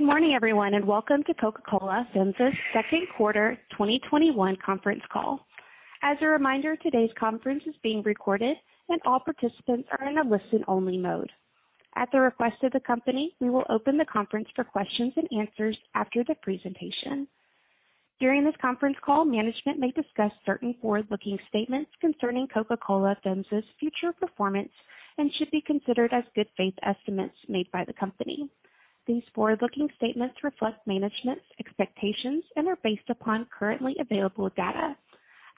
Good morning, everyone, and welcome to Coca-Cola FEMSA's second quarter twenty twenty-one conference call. As a reminder, today's conference is being recorded and all participants are in a listen-only mode. At the request of the company, we will open the conference for questions and answers after the presentation. During this conference call, management may discuss certain forward-looking statements concerning Coca-Cola FEMSA's future performance and should be considered as good faith estimates made by the company. These forward-looking statements reflect management's expectations and are based upon currently available data.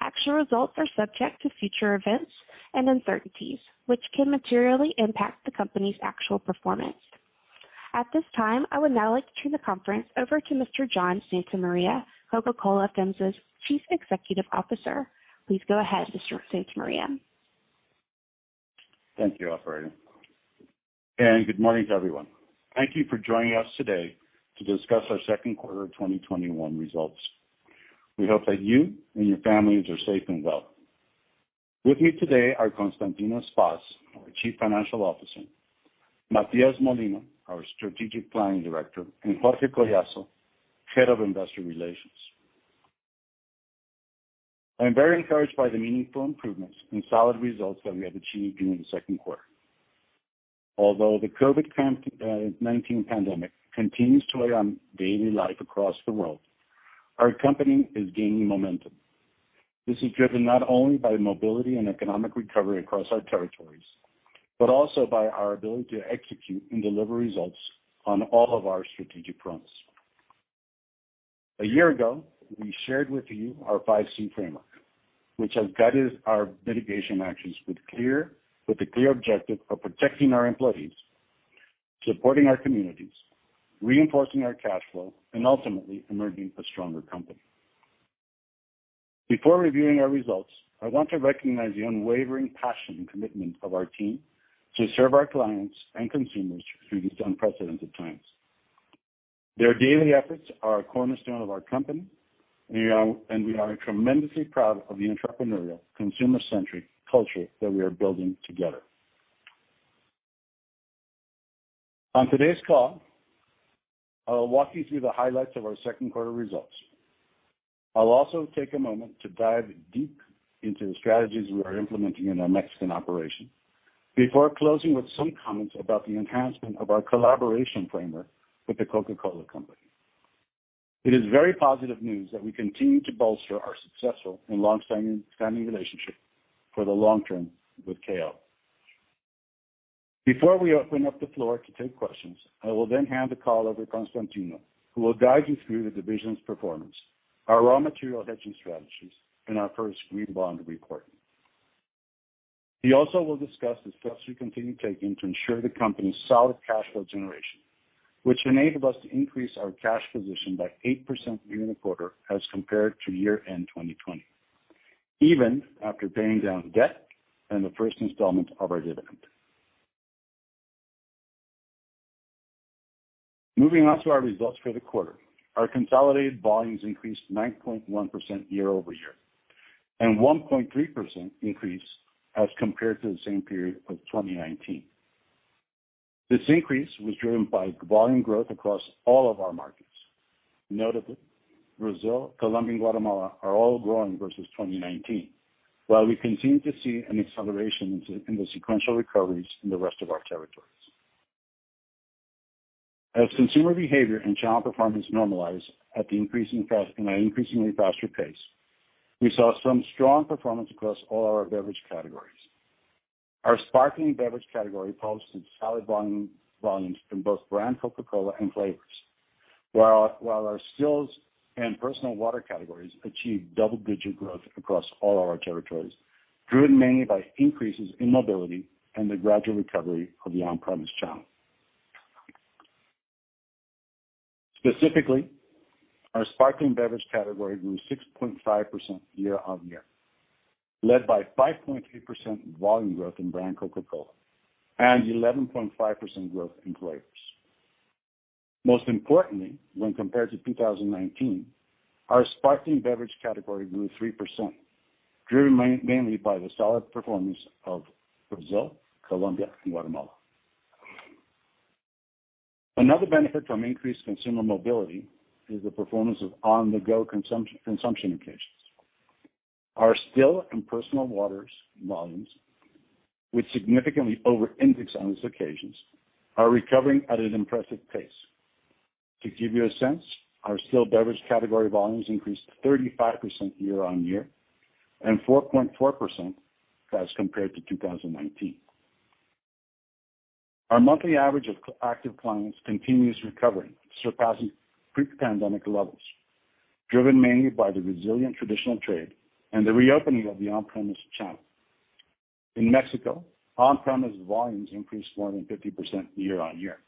Actual results are subject to future events and uncertainties, which can materially impact the company's actual performance. At this time, I would now like to turn the conference over to Mr. John Santa Maria, Coca-Cola FEMSA's Chief Executive Officer. Please go ahead, Mr. Santa Maria. Thank you, operator, and good morning to everyone. Thank you for joining us today to discuss our second quarter twenty twenty-one results. We hope that you and your families are safe and well. With me today are Constantino Spas, our Chief Financial Officer, Matias Molina, our Strategic Planning Director, and Jorge Collazo, Head of Investor Relations. I'm very encouraged by the meaningful improvements and solid results that we have achieved during the second quarter. Although the COVID-19 pandemic continues to weigh on daily life across the world, our company is gaining momentum. This is driven not only by mobility and economic recovery across our territories, but also by our ability to execute and deliver results on all of our strategic fronts. A year ago, we shared with you our five C framework, which has guided our mitigation actions with a clear objective of protecting our employees, supporting our communities, reinforcing our cash flow, and ultimately emerging a stronger company. Before reviewing our results, I want to recognize the unwavering passion and commitment of our team to serve our clients and consumers through these unprecedented times. Their daily efforts are a cornerstone of our company, and we are tremendously proud of the entrepreneurial, consumer-centric culture that we are building together. On today's call, I'll walk you through the highlights of our second quarter results. I'll also take a moment to dive deep into the strategies we are implementing in our Mexican operation before closing with some comments about the enhancement of our collaboration framework with the Coca-Cola Company. It is very positive news that we continue to bolster our successful and long-standing relationship for the long term with KO. Before we open up the floor to take questions, I will then hand the call over to Constantino, who will guide you through the division's performance, our raw material hedging strategies, and our first green bond issuance. He also will discuss the steps we continue taking to ensure the company's solid cash flow generation, which enabled us to increase our cash position by 8% during the quarter as compared to year-end 2020, even after paying down debt and the first installment of our dividend. Moving on to our results for the quarter. Our consolidated volumes increased 9.1% year over year, and one point three percent increase as compared to the same period of 2019. This increase was driven by volume growth across all of our markets. Notably, Brazil, Colombia, and Guatemala are all growing versus twenty nineteen, while we continue to see an acceleration in the sequential recoveries in the rest of our territories. As consumer behavior and channel performance normalize at an increasingly faster pace, we saw some strong performance across all our beverage categories. Our sparkling beverage category posted solid volume in both brand Coca-Cola and flavors. While our stills and personal water categories achieved double-digit growth across all our territories, driven mainly by increases in mobility and the gradual recovery of the on-premise channel. Specifically, our sparkling beverage category grew 6.5% year on year, led by 5.3% volume growth in brand Coca-Cola and 11.5% growth in flavors. Most importantly, when compared to 2019, our sparkling beverage category grew 3%, driven mainly by the solid performance of Brazil, Colombia, and Guatemala. Another benefit from increased consumer mobility is the performance of on-the-go consumption occasions. Our still and personal waters volumes, which significantly over-index on these occasions, are recovering at an impressive pace. To give you a sense, our still beverage category volumes increased 35% year on year and 4.4% as compared to 2019. Our monthly average of active clients continues recovering, surpassing pre-pandemic levels, driven mainly by the resilient traditional trade and the reopening of the on-premise channel. In Mexico, on-premise volumes increased more than 50% year on year,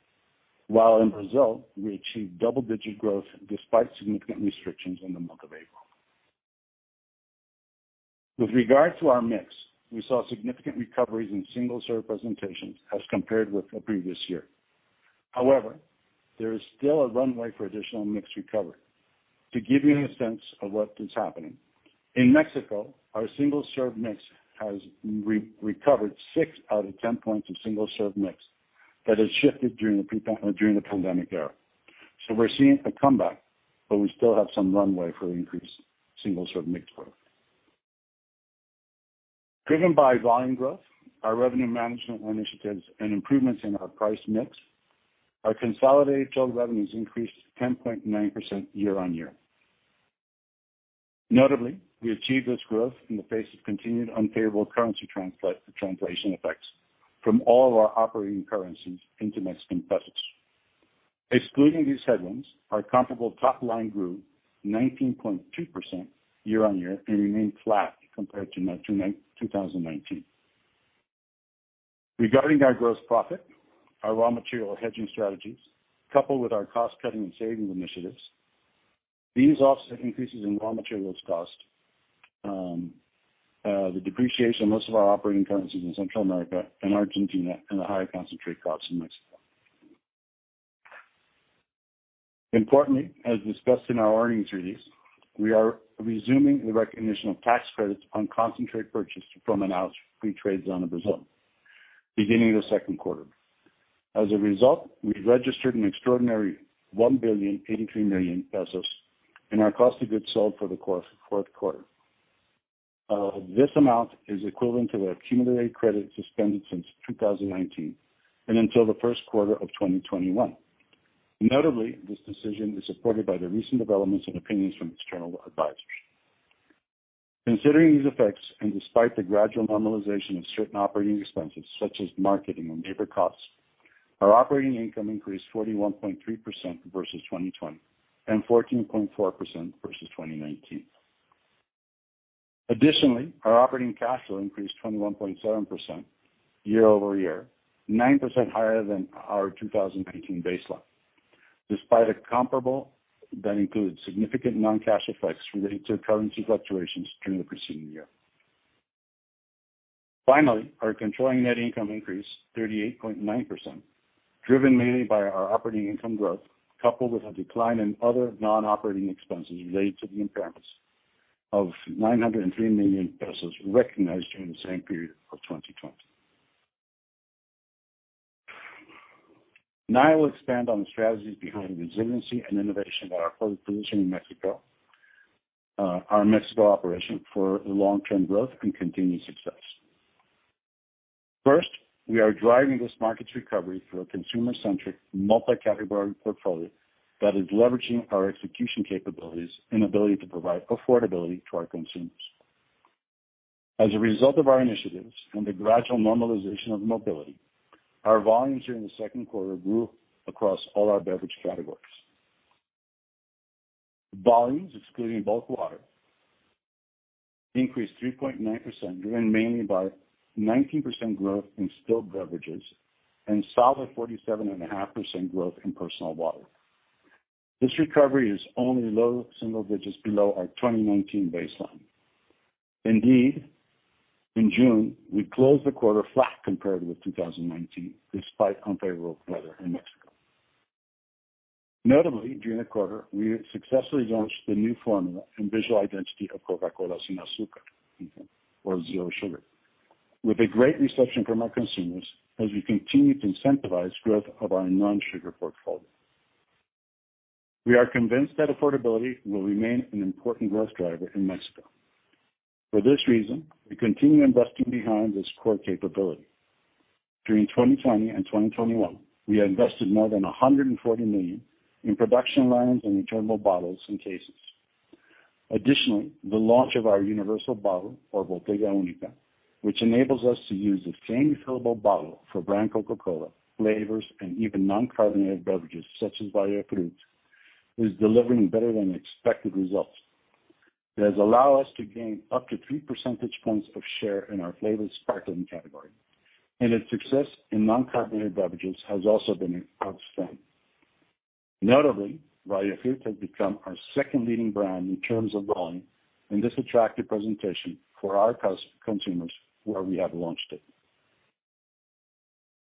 while in Brazil, we achieved double-digit growth despite significant restrictions in the month of April. With regard to our mix, we saw significant recoveries in single-serve presentations as compared with the previous year. However, there is still a runway for additional mix recovery. To give you a sense of what is happening. In Mexico, our single-serve mix has recovered six out of 10 points of single-serve mix that has shifted during the pandemic era. So we're seeing a comeback, but we still have some runway for increased single-serve mix growth. Driven by volume growth, our revenue management initiatives, and improvements in our price mix, our consolidated total revenues increased 10.9% year on year. Notably, we achieved this growth in the face of continued unfavorable currency translation effects from all our operating currencies into Mexican pesos. Excluding these headwinds, our comparable top line grew 19.2% year on year and remained flat compared to 2019. Regarding our gross profit, our raw material hedging strategies, coupled with our cost cutting and savings initiatives, these offset increases in raw materials cost, the depreciation of most of our operating currencies in Central America and Argentina, and the higher concentrate costs in Mexico. Importantly, as discussed in our earnings release, we are resuming the recognition of tax credits on concentrate purchased from Manaus Free Trade Zone in Brazil, beginning in the second quarter. As a result, we've registered an extraordinary 1.083 billion pesos in our cost of goods sold for the fourth quarter. This amount is equivalent to the accumulated credit suspended since 2019 and until the first quarter of 2021. Notably, this decision is supported by the recent developments and opinions from external advisors. Considering these effects, and despite the gradual normalization of certain operating expenses, such as marketing and labor costs, our operating income increased 41.3% versus 2020, and 14.4% versus 2019. Additionally, our operating cash flow increased 21.7% year over year, 9% higher than our 2019 baseline, despite a comparable that includes significant non-cash effects related to currency fluctuations during the preceding year. Finally, our controlling net income increased 38.9%, driven mainly by our operating income growth, coupled with a decline in other non-operating expenses related to the impairments of 903 million pesos recognized during the same period of 2020. Now I will expand on the strategies behind the resiliency and innovation of our portfolio position in Mexico, our Mexico operation for long-term growth and continued success. First, we are driving this market's recovery through a consumer-centric, multi-category portfolio that is leveraging our execution capabilities and ability to provide affordability to our consumers. As a result of our initiatives and the gradual normalization of mobility, our volumes during the second quarter grew across all our beverage categories. Volumes, excluding bulk water, increased 3.9%, driven mainly by 19% growth in still beverages and solid 47.5% growth in personal water. This recovery is only low single digits below our 2019 baseline. Indeed, in June, we closed the quarter flat compared with 2019, despite unfavorable weather in Mexico. Notably, during the quarter, we successfully launched the new formula and visual identity of Coca-Cola Sin Azúcar, or Zero Sugar, with a great reception from our consumers as we continue to incentivize growth of our non-sugar portfolio. We are convinced that affordability will remain an important growth driver in Mexico. For this reason, we continue investing behind this core capability. During 2020 and 2021, we have invested more than 140 million in production lines and returnable bottles and cases. Additionally, the launch of our universal bottle, or Botella Única, which enables us to use the same fillable bottle for brand Coca-Cola flavors and even non-carbonated beverages, such as Valle Frut, is delivering better than expected results. It has allowed us to gain up to three percentage points of share in our flavored sparkling category, and its success in non-carbonated beverages has also been outstanding. Notably, Valle Frut has become our second leading brand in terms of volume in this attractive presentation for our consumers where we have launched it.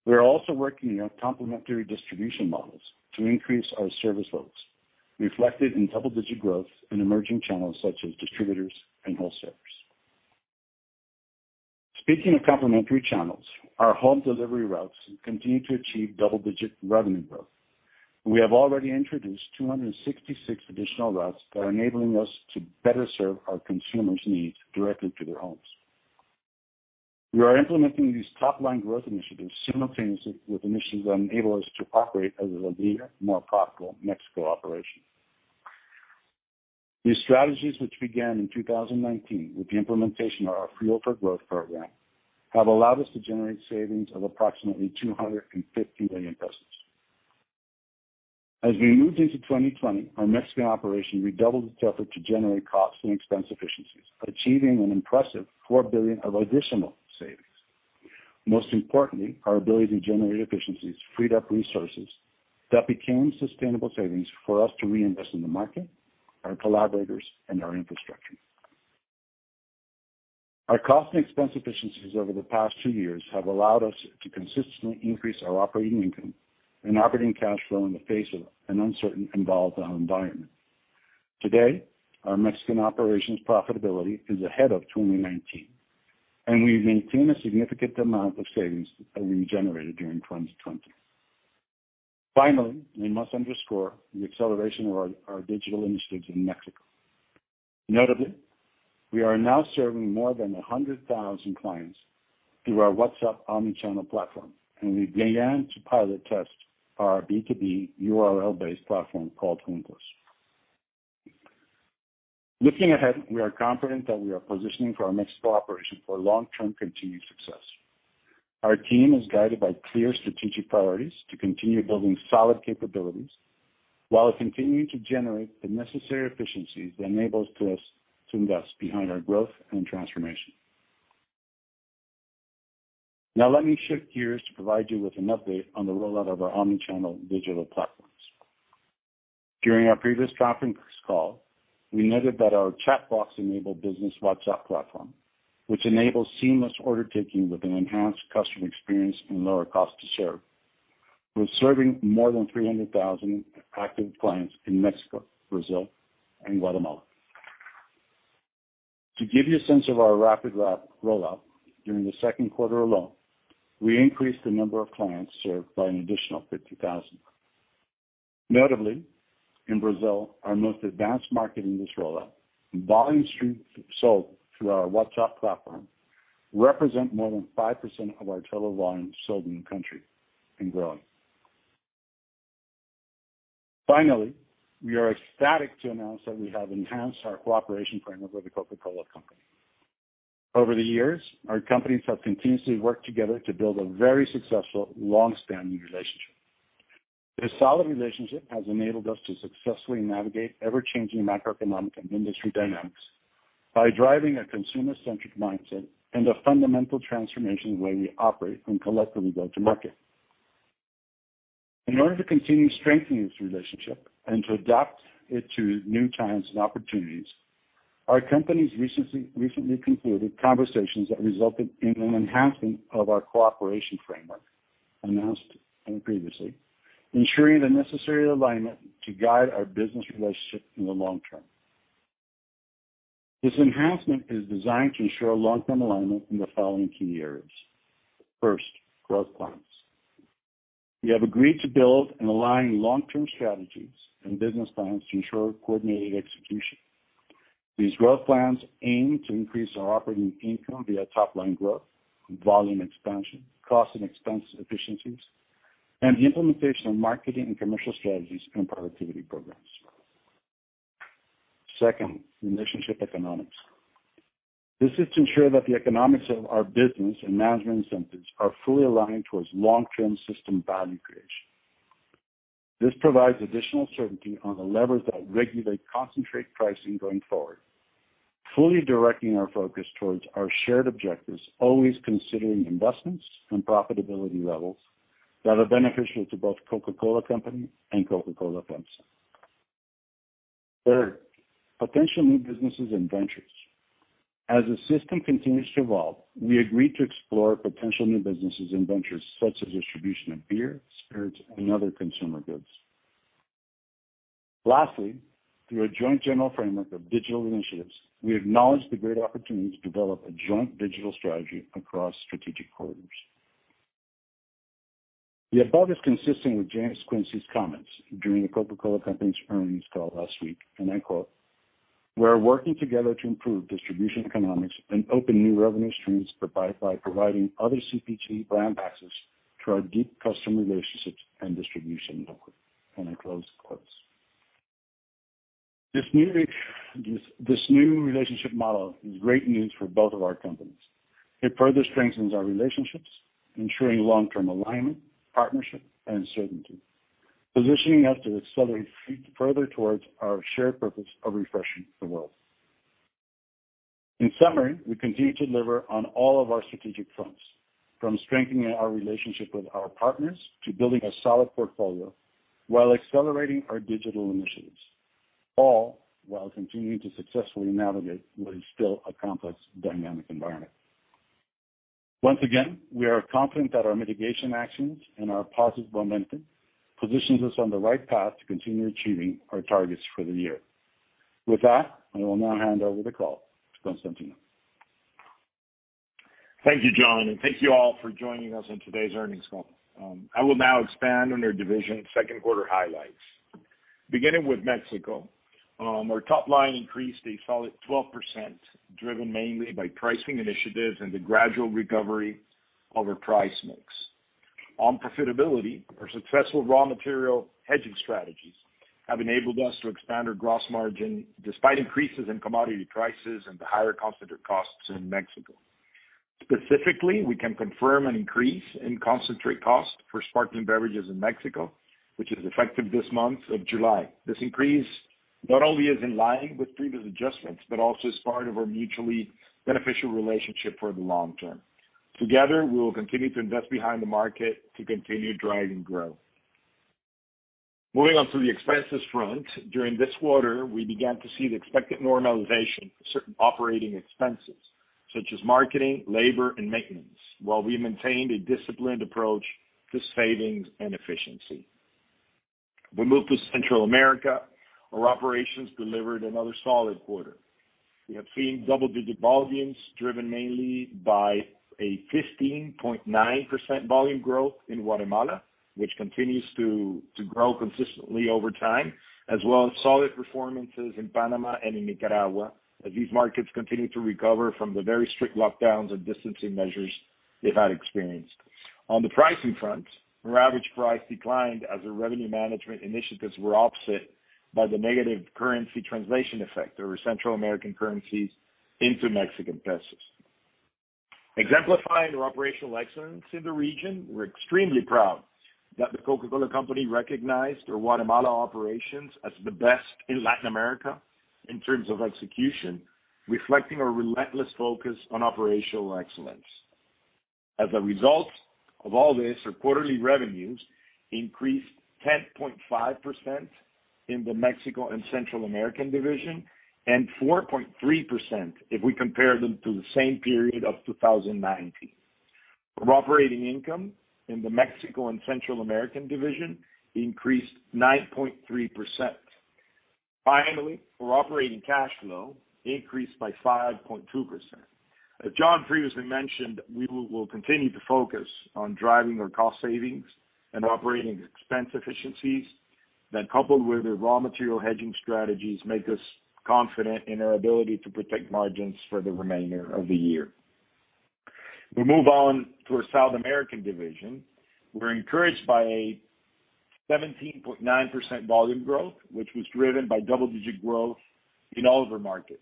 We are also working on complementary distribution models to increase our service loads, reflected in double-digit growth in emerging channels such as distributors and wholesalers. Speaking of complementary channels, our home delivery routes continue to achieve double-digit revenue growth. We have already introduced 266 additional routes that are enabling us to better serve our consumers' needs directly to their homes. We are implementing these top-line growth initiatives simultaneously with initiatives that enable us to operate as a leaner, more profitable Mexico operation. These strategies, which began in 2019 with the implementation of our Build for Growth program, have allowed us to generate savings of approximately 250 million pesos. As we moved into 2020, our Mexican operation redoubled its effort to generate costs and expense efficiencies, achieving an impressive 4 billion of additional savings. Most importantly, our ability to generate efficiencies freed up resources that became sustainable savings for us to reinvest in the market, our collaborators, and our infrastructure. Our cost and expense efficiencies over the past two years have allowed us to consistently increase our operating income and operating cash flow in the face of an uncertain, involved environment. Today, our Mexican operations profitability is ahead of 2019, and we've maintained a significant amount of savings that we generated during 2020. Finally, we must underscore the acceleration of our digital initiatives in Mexico. Notably, we are now serving more than 100,000 clients through our WhatsApp omni-channel platform, and we began to pilot test our B2B URL-based platform called Juntos. Looking ahead, we are confident that we are positioning for our Mexico operation for long-term continued success. Our team is guided by clear strategic priorities to continue building solid capabilities while continuing to generate the necessary efficiencies that enables to us to invest behind our growth and transformation. Now let me shift gears to provide you with an update on the rollout of our omni-channel digital platforms. During our previous conference call, we noted that our chatbot-enabled business WhatsApp platform, which enables seamless order taking with an enhanced customer experience and lower cost to serve. We're serving more than three hundred thousand active clients in Mexico, Brazil, and Guatemala. To give you a sense of our rapid rollout, during the second quarter alone, we increased the number of clients served by an additional fifty thousand. Notably, in Brazil, our most advanced market in this rollout, volume stream sold through our WhatsApp platform represent more than 5% of our total volume sold in the country and growing. Finally, we are ecstatic to announce that we have enhanced our cooperation framework with the Coca-Cola Company. Over the years, our companies have continuously worked together to build a very successful, long-standing relationship. This solid relationship has enabled us to successfully navigate ever-changing macroeconomic and industry dynamics by driving a consumer-centric mindset and a fundamental transformation in the way we operate when collectively go to market. In order to continue strengthening this relationship and to adapt it to new trends and opportunities, our companies recently concluded conversations that resulted in an enhancement of our cooperation framework, announced previously, ensuring the necessary alignment to guide our business relationship in the long term. This enhancement is designed to ensure long-term alignment in the following key areas. First, growth plans. We have agreed to build and align long-term strategies and business plans to ensure coordinated execution. These growth plans aim to increase our operating income via top line growth, volume expansion, cost and expense efficiencies, and implementation of marketing and commercial strategies and productivity programs. Second, relationship economics. This is to ensure that the economics of our business and management incentives are fully aligned towards long-term system value creation. This provides additional certainty on the levers that regulate concentrate pricing going forward, fully directing our focus towards our shared objectives, always considering investments and profitability levels that are beneficial to both The Coca-Cola Company and Coca-Cola FEMSA. Third, potential new businesses and ventures. As the system continues to evolve, we agreed to explore potential new businesses and ventures such as distribution of beer, spirits, and other consumer goods. Lastly, through a joint general framework of digital initiatives, we acknowledge the great opportunity to develop a joint digital strategy across strategic corridors. The above is consistent with James Quincey's comments during the Coca-Cola Company's earnings call last week, and I quote, "We are working together to improve distribution economics and open new revenue streams by providing other CPG brand access to our deep customer relationships and distribution network." And I close the quotes. This new relationship model is great news for both of our companies. It further strengthens our relationships, ensuring long-term alignment, partnership, and certainty, positioning us to accelerate further towards our shared purpose of refreshing the world. In summary, we continue to deliver on all of our strategic fronts, from strengthening our relationship with our partners to building a solid portfolio while accelerating our digital initiatives, all while continuing to successfully navigate what is still a complex dynamic environment. Once again, we are confident that our mitigation actions and our positive momentum positions us on the right path to continue achieving our targets for the year. With that, I will now hand over the call to Constantino. Thank you, John, and thank you all for joining us on today's earnings call. I will now expand on our division second quarter highlights. Beginning with Mexico, our top line increased a solid 12%, driven mainly by pricing initiatives and the gradual recovery of our price mix. On profitability, our successful raw material hedging strategies have enabled us to expand our gross margin despite increases in commodity prices and the higher concentrate costs in Mexico. Specifically, we can confirm an increase in concentrate costs for sparkling beverages in Mexico, which is effective this month of July. This increase not only is in line with previous adjustments, but also is part of our mutually beneficial relationship for the long term. Together, we will continue to invest behind the market to continue driving growth. Moving on to the expenses front, during this quarter, we began to see the expected normalization of certain operating expenses, such as marketing, labor, and maintenance, while we maintained a disciplined approach to savings and efficiency. We move to Central America. Our operations delivered another solid quarter. We have seen double-digit volumes, driven mainly by a 15.9% volume growth in Guatemala, which continues to grow consistently over time, as well as solid performances in Panama and in Nicaragua, as these markets continue to recover from the very strict lockdowns and distancing measures they've experienced. On the pricing front, our average price declined as our revenue management initiatives were offset by the negative currency translation effect over Central American currencies into Mexican pesos. Exemplifying our operational excellence in the region, we're extremely proud that The Coca-Cola Company recognized our Guatemala operations as the best in Latin America in terms of execution, reflecting our relentless focus on operational excellence. As a result of all this, our quarterly revenues increased 10.5% in the Mexico and Central American division, and 4.3% if we compare them to the same period of 2019. Our operating income in the Mexico and Central American division increased 9.3%. Finally, our operating cash flow increased by 5.2%. As John previously mentioned, we will continue to focus on driving our cost savings and operating expense efficiencies that, coupled with the raw material hedging strategies, make us confident in our ability to protect margins for the remainder of the year. We move on to our South American division. We're encouraged by a 17.9% volume growth, which was driven by double-digit growth in all of our markets.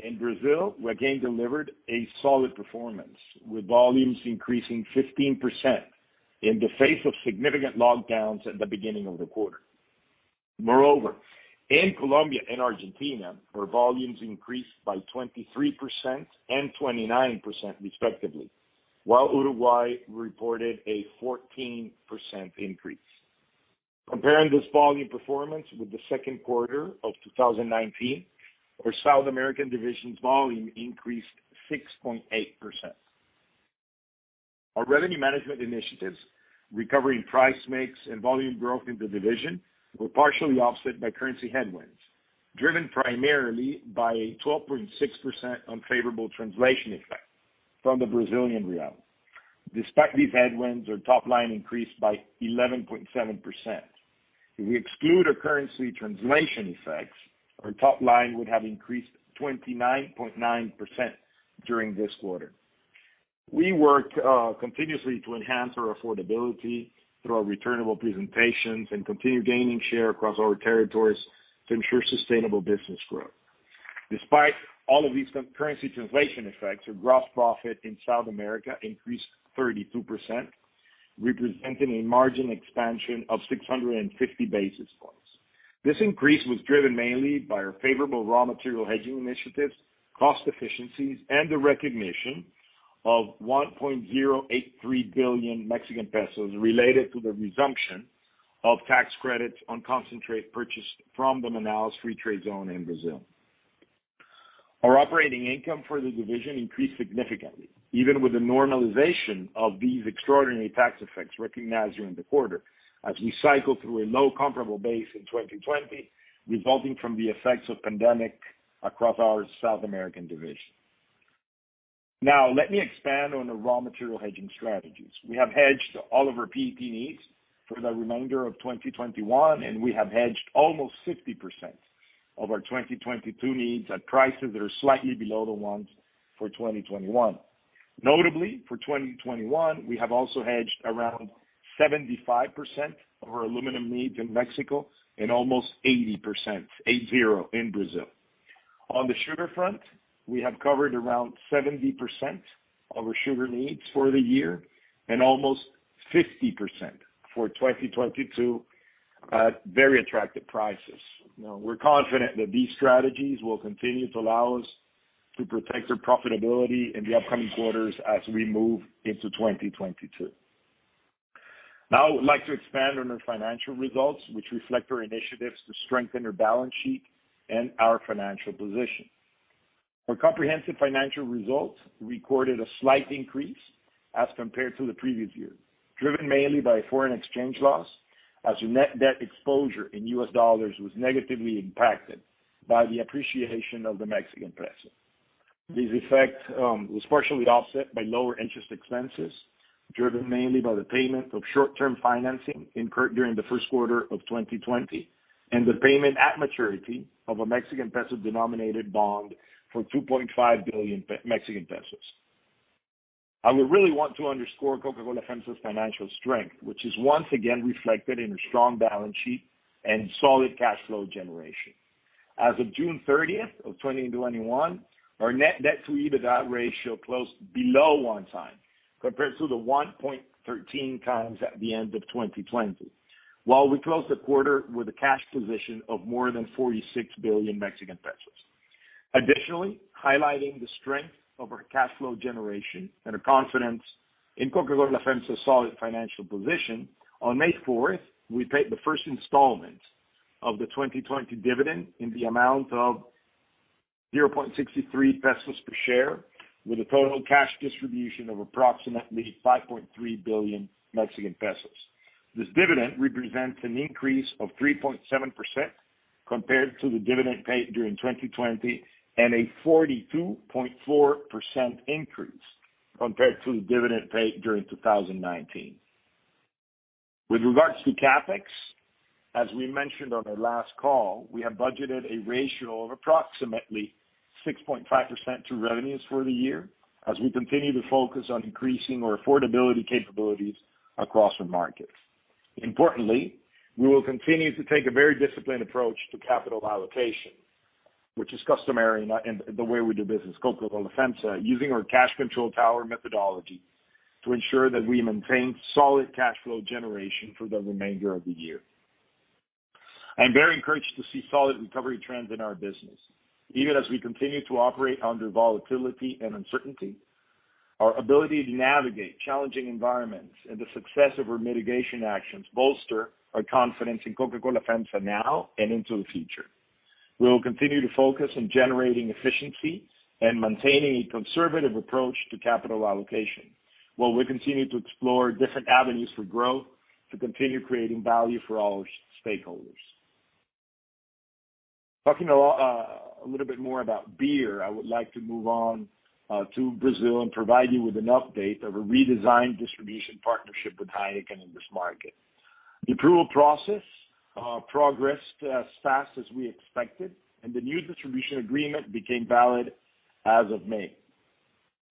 In Brazil, we again delivered a solid performance, with volumes increasing 15% in the face of significant lockdowns at the beginning of the quarter. Moreover, in Colombia and Argentina, our volumes increased by 23% and 29%, respectively, while Uruguay reported a 14% increase. Comparing this volume performance with the second quarter of 2019, our South American division's volume increased 6.8%. Our revenue management initiatives, recovering price mix and volume growth in the division, were partially offset by currency headwinds, driven primarily by a 12.6% unfavorable translation effect from the Brazilian real. Despite these headwinds, our top line increased by 11.7%. If we exclude our currency translation effects, our top line would have increased 29.9% during this quarter. We work continuously to enhance our affordability through our returnable presentations and continue gaining share across our territories to ensure sustainable business growth. Despite all of these currency translation effects, our gross profit in South America increased 32%, representing a margin expansion of six hundred and fifty basis points. This increase was driven mainly by our favorable raw material hedging initiatives, cost efficiencies, and the recognition of 1.083 billion Mexican pesos related to the resumption of tax credits on concentrate purchased from the Manaus Free Trade Zone in Brazil. Our operating income for the division increased significantly, even with the normalization of these extraordinary tax effects recognized during the quarter, as we cycle through a low comparable base in 2020, resulting from the effects of pandemic across our South American division. Now, let me expand on the raw material hedging strategies. We have hedged all of our PET needs for the remainder of 2021, and we have hedged almost 60% of our 2022 needs at prices that are slightly below the ones for 2021. Notably, for 2021, we have also hedged around 75% of our aluminum needs in Mexico and almost 80%, eight-zero, in Brazil. On the sugar front, we have covered around 70% of our sugar needs for the year and almost 50% for 2022 at very attractive prices. Now, we're confident that these strategies will continue to allow us to protect our profitability in the upcoming quarters as we move into 2022. Now, I would like to expand on our financial results, which reflect our initiatives to strengthen our balance sheet and our financial position. Our comprehensive financial results recorded a slight increase as compared to the previous year, driven mainly by foreign exchange loss, as our net debt exposure in US dollars was negatively impacted by the appreciation of the Mexican peso. This effect was partially offset by lower interest expenses, driven mainly by the payment of short-term financing incurred during the first quarter of 2020, and the payment at maturity of a Mexican peso-denominated bond for 2.5 billion Mexican pesos. I would really want to underscore Coca-Cola FEMSA's financial strength, which is once again reflected in a strong balance sheet and solid cash flow generation. As of June thirtieth of 2021, our net debt to EBITDA ratio closed below one time, compared to the 1.13 times at the end of 2020, while we closed the quarter with a cash position of more than 46 billion Mexican pesos. Additionally, highlighting the strength of our cash flow generation and our confidence in Coca-Cola FEMSA's solid financial position, on May fourth, we paid the first installment of the 2020 dividend in the amount of 0.63 pesos per share, with a total cash distribution of approximately 5.3 billion Mexican pesos. This dividend represents an increase of 3.7% compared to the dividend paid during 2020, and a 42.4% increase compared to the dividend paid during 2019. With regards to CapEx, as we mentioned on our last call, we have budgeted a ratio of approximately 6.5% to revenues for the year as we continue to focus on increasing our affordability capabilities across the markets. Importantly, we will continue to take a very disciplined approach to capital allocation, which is customary in, in the way we do business at Coca-Cola FEMSA, using our cash control tower methodology to ensure that we maintain solid cash flow generation for the remainder of the year. I'm very encouraged to see solid recovery trends in our business. Even as we continue to operate under volatility and uncertainty, our ability to navigate challenging environments and the success of our mitigation actions bolster our confidence in Coca-Cola FEMSA now and into the future. We will continue to focus on generating efficiency and maintaining a conservative approach to capital allocation, while we continue to explore different avenues for growth to continue creating value for all our stakeholders. Talking a little bit more about beer, I would like to move on to Brazil and provide you with an update of a redesigned distribution partnership with Heineken in this market. The approval process progressed as fast as we expected, and the new distribution agreement became valid as of May.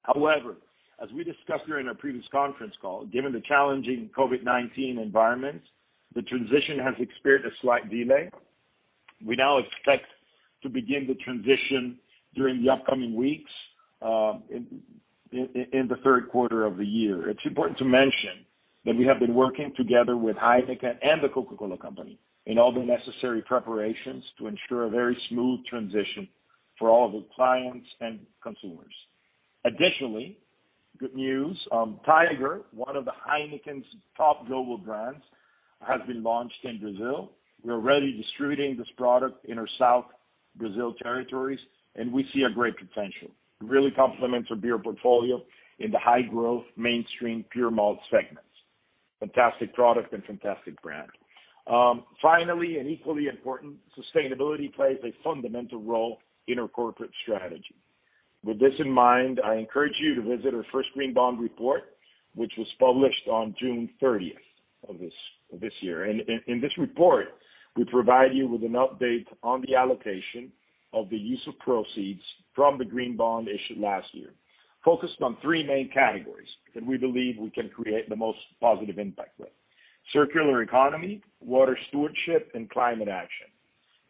However, as we discussed during our previous conference call, given the challenging COVID-19 environment, the transition has experienced a slight delay. We now expect to begin the transition during the upcoming weeks in the third quarter of the year. It's important to mention that we have been working together with Heineken and the Coca-Cola Company in all the necessary preparations to ensure a very smooth transition for all of the clients and consumers. Additionally, good news, Tiger, one of Heineken's top global brands, has been launched in Brazil. We're already distributing this product in our South Brazil territories, and we see a great potential. It really complements our beer portfolio in the high growth, mainstream, pure malt segments. Fantastic product and fantastic brand. Finally, and equally important, sustainability plays a fundamental role in our corporate strategy. With this in mind, I encourage you to visit our first green bond report, which was published on June thirtieth of this year. In this report, we provide you with an update on the allocation of the use of proceeds from the green bond issued last year, focused on three main categories that we believe we can create the most positive impact with: circular economy, water stewardship, and climate action.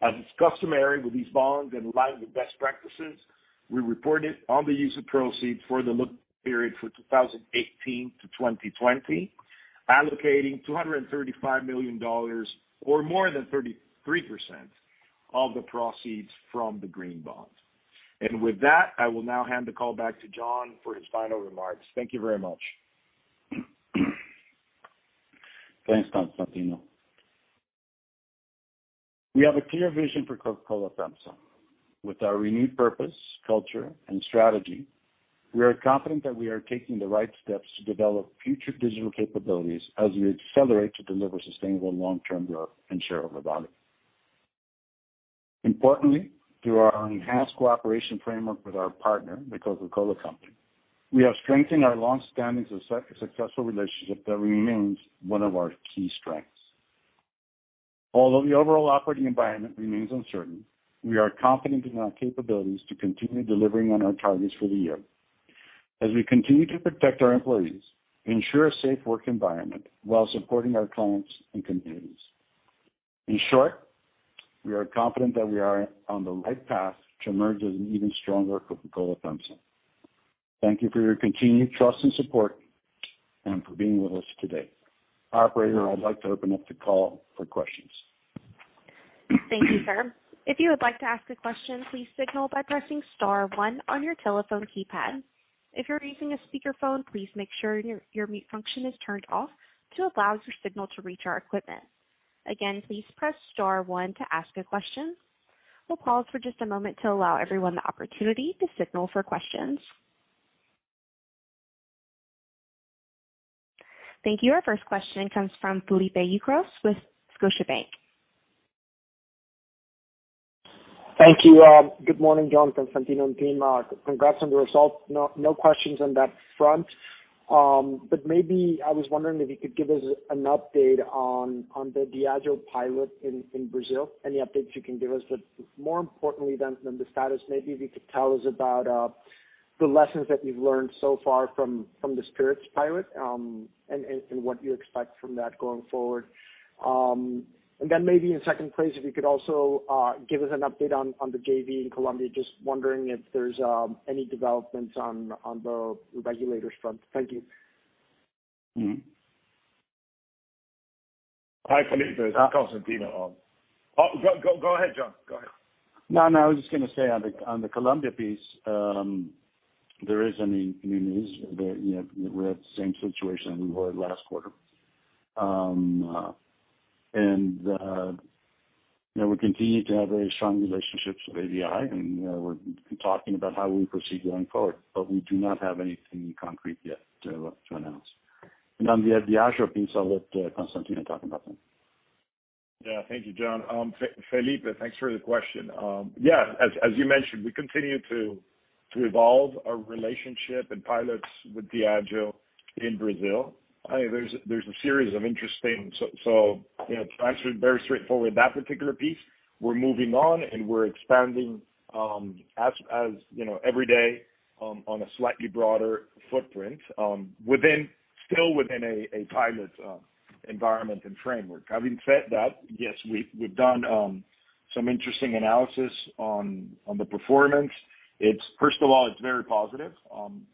As is customary with these bonds and in line with best practices, we reported on the use of proceeds for the look period for 2018 to 2020, allocating $235 million, or more than 33%, of the proceeds from the green bond. With that, I will now hand the call back to John for his final remarks. Thank you very much. Thanks, Constantino. We have a clear vision for Coca-Cola FEMSA. With our renewed purpose, culture, and strategy, we are confident that we are taking the right steps to develop future digital capabilities as we accelerate to deliver sustainable long-term growth and shareholder value. Importantly, through our enhanced cooperation framework with our partner, the Coca-Cola Company, we are strengthening our long-standing successful relationship that remains one of our key strengths. Although the overall operating environment remains uncertain, we are confident in our capabilities to continue delivering on our targets for the year as we continue to protect our employees, ensure a safe work environment while supporting our clients and communities. In short, we are confident that we are on the right path to emerge as an even stronger Coca-Cola FEMSA. Thank you for your continued trust and support, and for being with us today. Operator, I'd like to open up the call for questions. Thank you, sir. If you would like to ask a question, please signal by pressing star one on your telephone keypad. If you're using a speakerphone, please make sure your mute function is turned off to allow your signal to reach our equipment. Again, please press star one to ask a question. We'll pause for just a moment to allow everyone the opportunity to signal for questions. Thank you. Our first question comes from Felipe Ucros with Scotiabank. Thank you. Good morning, John, Constantino, and team. Congrats on the results. No questions on that front. But maybe I was wondering if you could give us an update on the Diageo pilot in Brazil. Any updates you can give us? But more importantly than the status, maybe if you could tell us about the lessons that you've learned so far from the spirits pilot, and what you expect from that going forward. And then maybe in second place, if you could also give us an update on the JV in Colombia. Just wondering if there's any developments on the regulators front. Thank you. Mm-hmm.... Hi, Felipe. It's Constantino. Go ahead, John. Go ahead. No, no, I was just gonna say on the, on the Colombia piece, there isn't any new news. The, you know, we're at the same situation we were last quarter. And, you know, we continue to have very strong relationships with ABI, and, we're talking about how we proceed going forward, but we do not have anything concrete yet to announce. And on the, the Diageo piece, I'll let Constantino talk about that. Yeah, thank you, John. Felipe, thanks for the question. Yeah, as you mentioned, we continue to evolve our relationship and pilots with Diageo in Brazil. I think there's a series of interesting, so you know, to answer it very straightforward, that particular piece, we're moving on, and we're expanding, as you know, every day, on a slightly broader footprint, within still within a pilot environment and framework. Having said that, yes, we've done some interesting analysis on the performance. It's. First of all, it's very positive.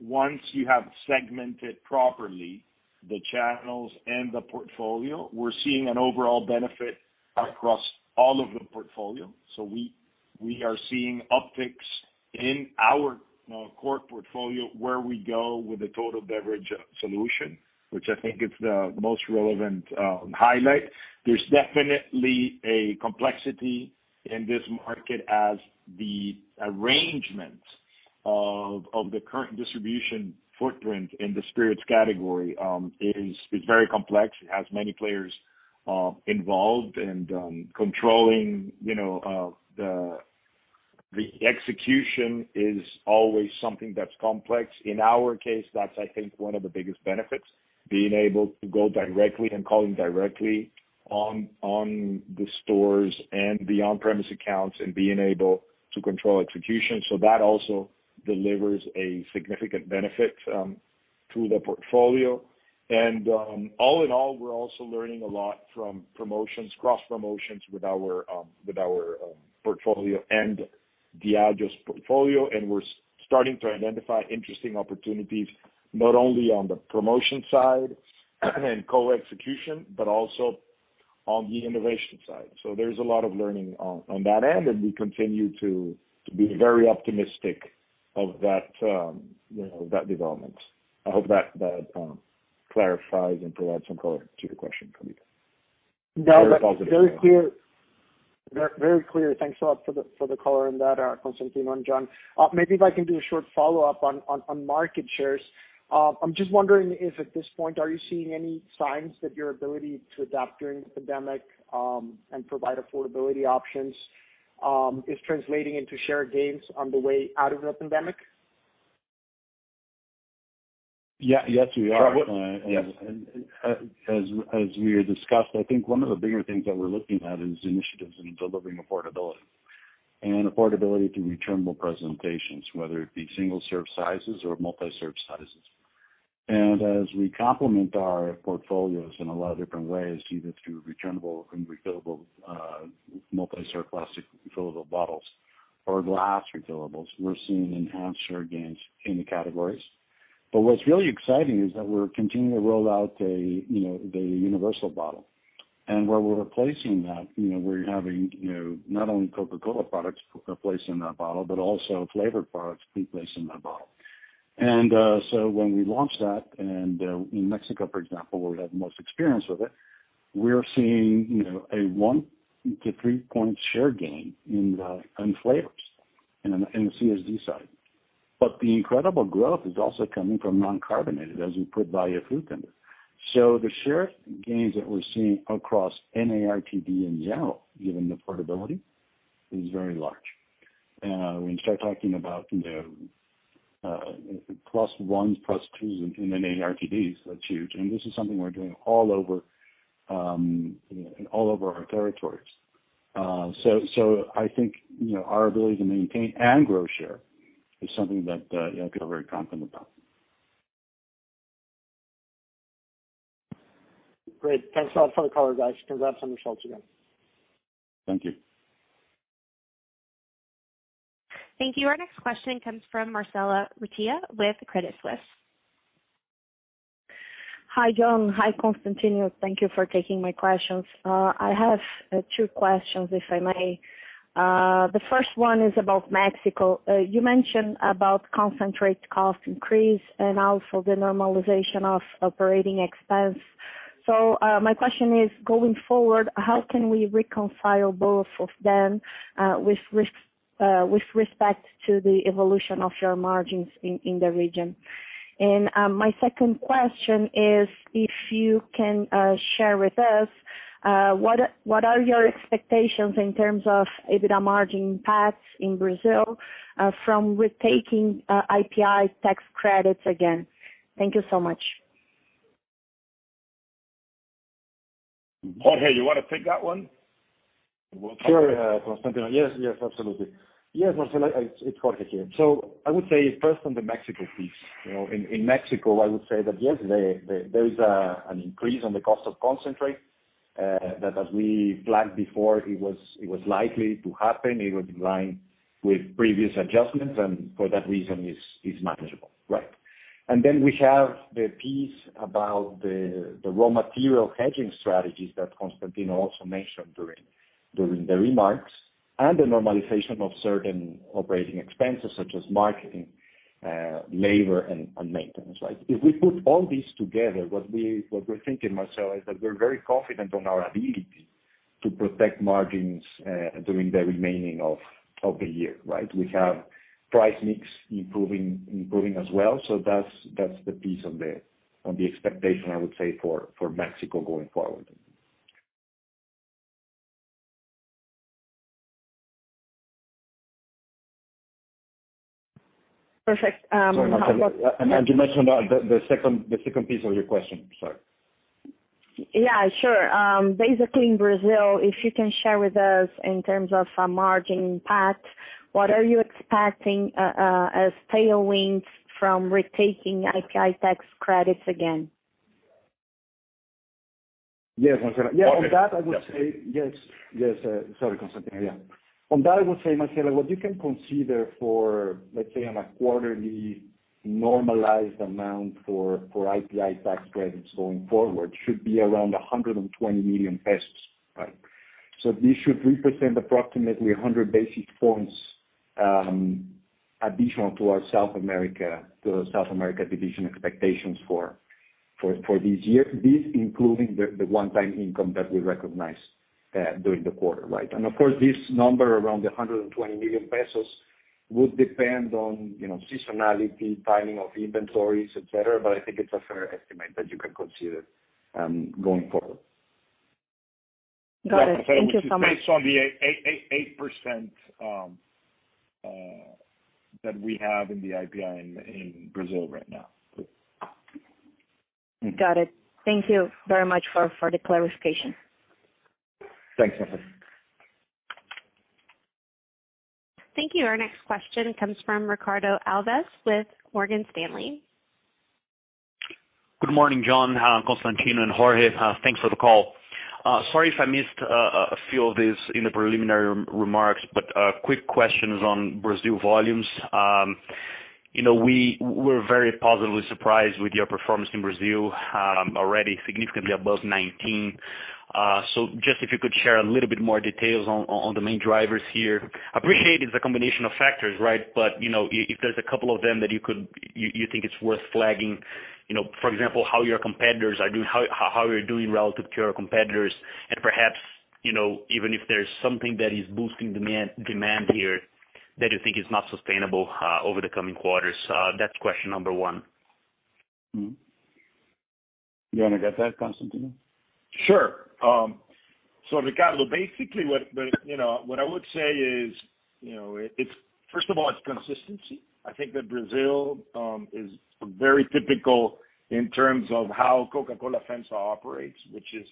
Once you have segmented properly the channels and the portfolio, we're seeing an overall benefit across all of the portfolio. We are seeing upticks in our core portfolio, where we go with the total beverage solution, which I think is the most relevant highlight. There's definitely a complexity in this market as the arrangement of the current distribution footprint in the spirits category is very complex. It has many players involved and controlling the execution is always something that's complex. In our case, that's, I think, one of the biggest benefits, being able to go directly and call in directly on the stores and the on-premise accounts and being able to control execution. That also delivers a significant benefit to the portfolio. All in all, we're also learning a lot from promotions, cross promotions with our portfolio and Diageo's portfolio. And we're starting to identify interesting opportunities, not only on the promotion side and co-execution, but also on the innovation side. So there's a lot of learning on that end, and we continue to be very optimistic of that, you know, that development. I hope that clarifies and provides some color to the question, Felipe. Yeah, very clear. Very, very clear. Thanks a lot for the, for the color on that, Constantino and John. Maybe if I can do a short follow-up on market shares. I'm just wondering if, at this point, are you seeing any signs that your ability to adapt during the pandemic and provide affordability options is translating into share gains on the way out of the pandemic? Yeah. Yes, we are. Yes. As we had discussed, I think one of the bigger things that we're looking at is initiatives in delivering affordability, and affordability through returnable presentations, whether it be single-serve sizes or multi-serve sizes. And as we complement our portfolios in a lot of different ways, either through returnable and refillable multi-serve plastic refillable bottles or glass refillables, we're seeing enhanced share gains in the categories. But what's really exciting is that we're continuing to roll out a you know a universal bottle. And where we're replacing that you know we're having you know not only Coca-Cola products placed in that bottle, but also flavored products be placed in that bottle. When we launch that, and in Mexico, for example, where we have the most experience with it, we're seeing, you know, a one- to three-point share gain in flavors in the CSD side. But the incredible growth is also coming from non-carbonated, as we put value through them, so the share gains that we're seeing across NARTD in general, given the affordability, is very large. When you start talking about, you know, plus ones, plus twos in NARTDs, that's huge, and this is something we're doing all over our territories. I think, you know, our ability to maintain and grow share is something that, you know, we feel very confident about. Great. Thanks a lot for the color, guys. Congrats on the results again. Thank you. Thank you. Our next question comes from Marcella Recchia with Credit Suisse. Hi, John. Hi, Constantino. Thank you for taking my questions. I have two questions, if I may. The first one is about Mexico. You mentioned about concentrate cost increase and also the normalization of operating expense. So, my question is, going forward, how can we reconcile both of them with respect to the evolution of your margins in the region? And, my second question is, if you can share with us what are your expectations in terms of EBITDA margin paths in Brazil from retaking IPI tax credits again? Thank you so much. Jorge, you wanna take that one? Sure, Constantino. Yes, yes, absolutely. Yes, Marcella, it's Jorge here. So I would say first on the Mexico piece, you know, in Mexico, I would say that, yes, there is an increase on the cost of concentrate, that as we flagged before, it was likely to happen. It was in line with previous adjustments, and for that reason, is manageable, right? And then we have the piece about the raw material hedging strategies that Constantino also mentioned during the remarks, and the normalization of certain operating expenses, such as marketing, labor, and maintenance, right? If we put all this together, what we're thinking, Marcella, is that we're very confident on our ability to protect margins, during the remaining of the year, right? We have price mix improving as well. That's the piece on the expectation, I would say, for Mexico going forward. Perfect, um- Sorry, Marcella, and you mentioned the second piece of your question, sorry. Yeah, sure. Basically, in Brazil, if you can share with us in terms of a margin impact, what are you expecting as tailwinds from retaking IPI tax credits again? Yes, Marcella. Yeah, on that I would say yes. Yes, sorry, Constantino, yeah. On that I would say, Marcella, what you can consider for, let's say, on a quarterly normalized amount for IPI tax credits going forward, should be around 120 million pesos, right? So this should represent approximately 100 basis points, additional to our South America division expectations for this year, this including the one-time income that we recognized during the quarter, right? And of course, this number, around 120 million pesos, would depend on, you know, seasonality, timing of inventories, et cetera, but I think it's a fair estimate that you can consider going forward. Got it. Thank you so much. Which is based on the 8% that we have in the IPI in Brazil right now. Got it. Thank you very much for the clarification. Thanks, Marcela. Thank you. Our next question comes from Ricardo Alves with Morgan Stanley. Good morning, John, Constantino, and Jorge. Thanks for the call. Sorry if I missed a few of these in the preliminary remarks, but quick questions on Brazil volumes. You know, we were very positively surprised with your performance in Brazil, already significantly above nineteen. So just if you could share a little bit more details on the main drivers here. I appreciate it's a combination of factors, right? But you know, if there's a couple of them that you could... you think it's worth flagging, you know, for example, how your competitors are doing, how you're doing relative to your competitors, and perhaps, you know, even if there's something that is boosting demand here that you think is not sustainable over the coming quarters. That's question number one. Mm-hmm. You wanna get that, Constantino? Sure. So Ricardo, basically, what, what you know, what I would say is, you know, it's first of all, it's consistency. I think that Brazil is very typical in terms of how Coca-Cola FEMSA operates, which is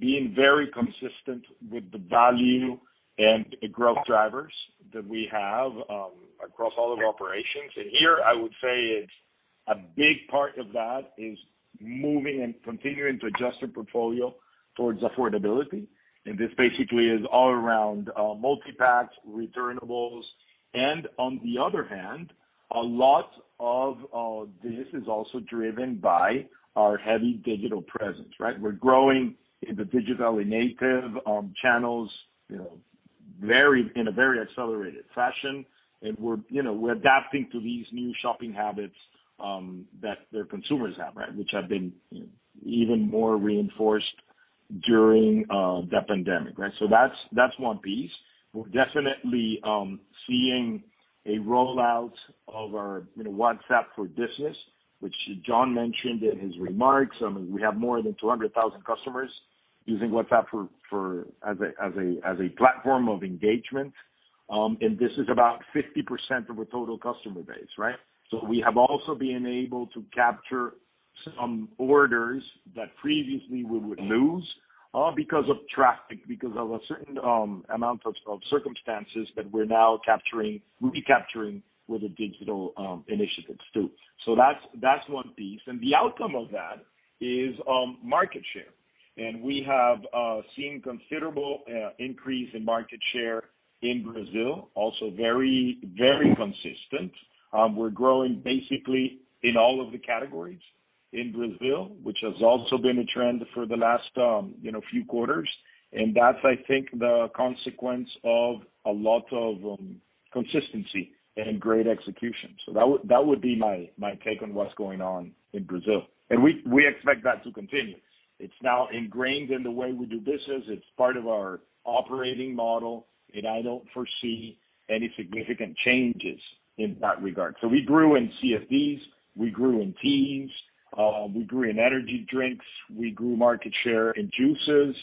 being very consistent with the value and the growth drivers that we have across all of our operations. And here, I would say it's a big part of that is moving and continuing to adjust our portfolio towards affordability, and this basically is all around multipacks, returnables. And on the other hand, a lot of this is also driven by our heavy digital presence, right? We're growing in the digitally native channels, you know, very in a very accelerated fashion. And we're, you know, we're adapting to these new shopping habits that the consumers have, right? Which have been even more reinforced during the pandemic, right? So that's one piece. We're definitely seeing a rollout of our, you know, WhatsApp for business, which John mentioned in his remarks. I mean, we have more than 200,000 customers using WhatsApp for as a platform of engagement. And this is about 50% of our total customer base, right? So we have also been able to capture some orders that previously we would lose because of traffic, because of a certain amount of circumstances that we're now capturing, recapturing with the digital initiatives, too. So that's one piece, and the outcome of that is market share. And we have seen considerable increase in market share in Brazil, also very, very consistent. We're growing basically in all of the categories in Brazil, which has also been a trend for the last, you know, few quarters. And that's, I think, the consequence of a lot of consistency and great execution. So that would be my take on what's going on in Brazil, and we expect that to continue. It's now ingrained in the way we do business. It's part of our operating model, and I don't foresee any significant changes in that regard. So we grew in CFDs, we grew in teas, we grew in energy drinks, we grew market share in juices,